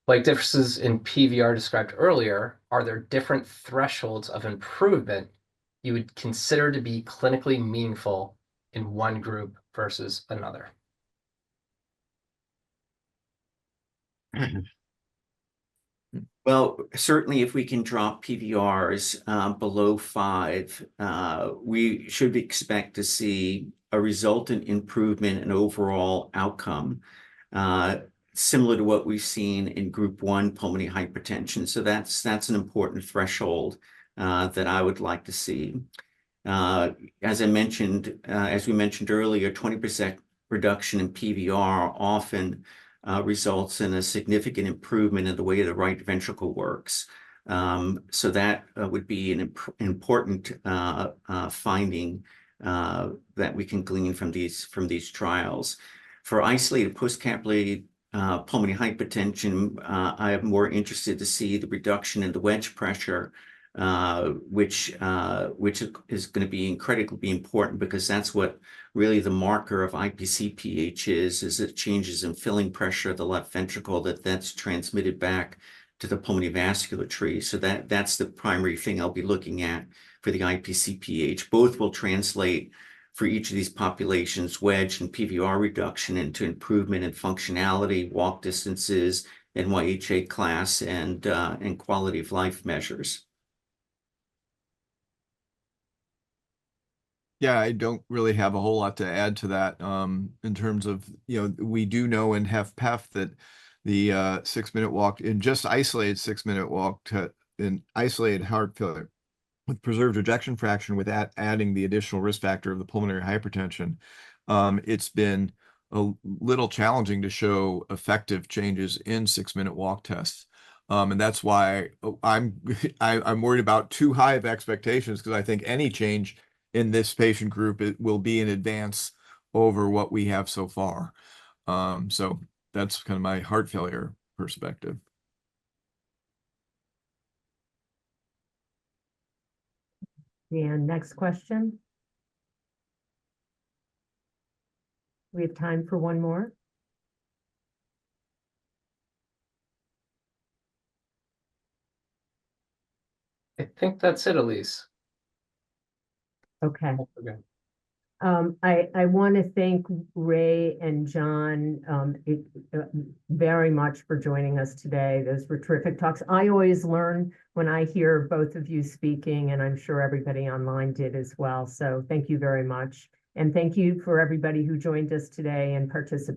Like differences in PVR described earlier, are there different thresholds of improvement you would consider to be clinically meaningful in one group versus another? Certainly, if we can drop PVRs below five, we should expect to see a resultant improvement in overall outcome similar to what we've seen in Group I pulmonary hypertension. That's an important threshold that I would like to see. As I mentioned, as we mentioned earlier, 20% reduction in PVR often results in a significant improvement in the way the right ventricle works. So that would be an important finding that we can glean from these trials. For isolated post-capillary pulmonary hypertension, I'm more interested to see the reduction in the wedge pressure, which is going to be incredibly important because that's what really the marker of IPCPH is, is it changes in filling pressure of the left ventricle that that's transmitted back to the pulmonary vascular tree. So that's the primary thing I'll be looking at for the IPCPH. Both will translate for each of these populations, wedge and PVR reduction into improvement in functionality, walk distances, NYHA class, and quality of life measures. Yeah, I don't really have a whole lot to add to that in terms of we do know in HFpEF that the six-minute walk and just isolated six-minute walk in isolated heart failure with preserved ejection fraction without adding the additional risk factor of the pulmonary hypertension, it's been a little challenging to show effective changes in six-minute walk tests. And that's why I'm worried about too high of expectations because I think any change in this patient group will be an advance over what we have so far. So that's kind of my heart failure perspective. And next question. We have time for one more. I think that's it, Alise. Okay. I want to thank Ray and John very much for joining us today. Those were terrific talks. I always learn when I hear both of you speaking, and I'm sure everybody online did as well. Thank you very much. Thank you for everybody who joined us today and participated.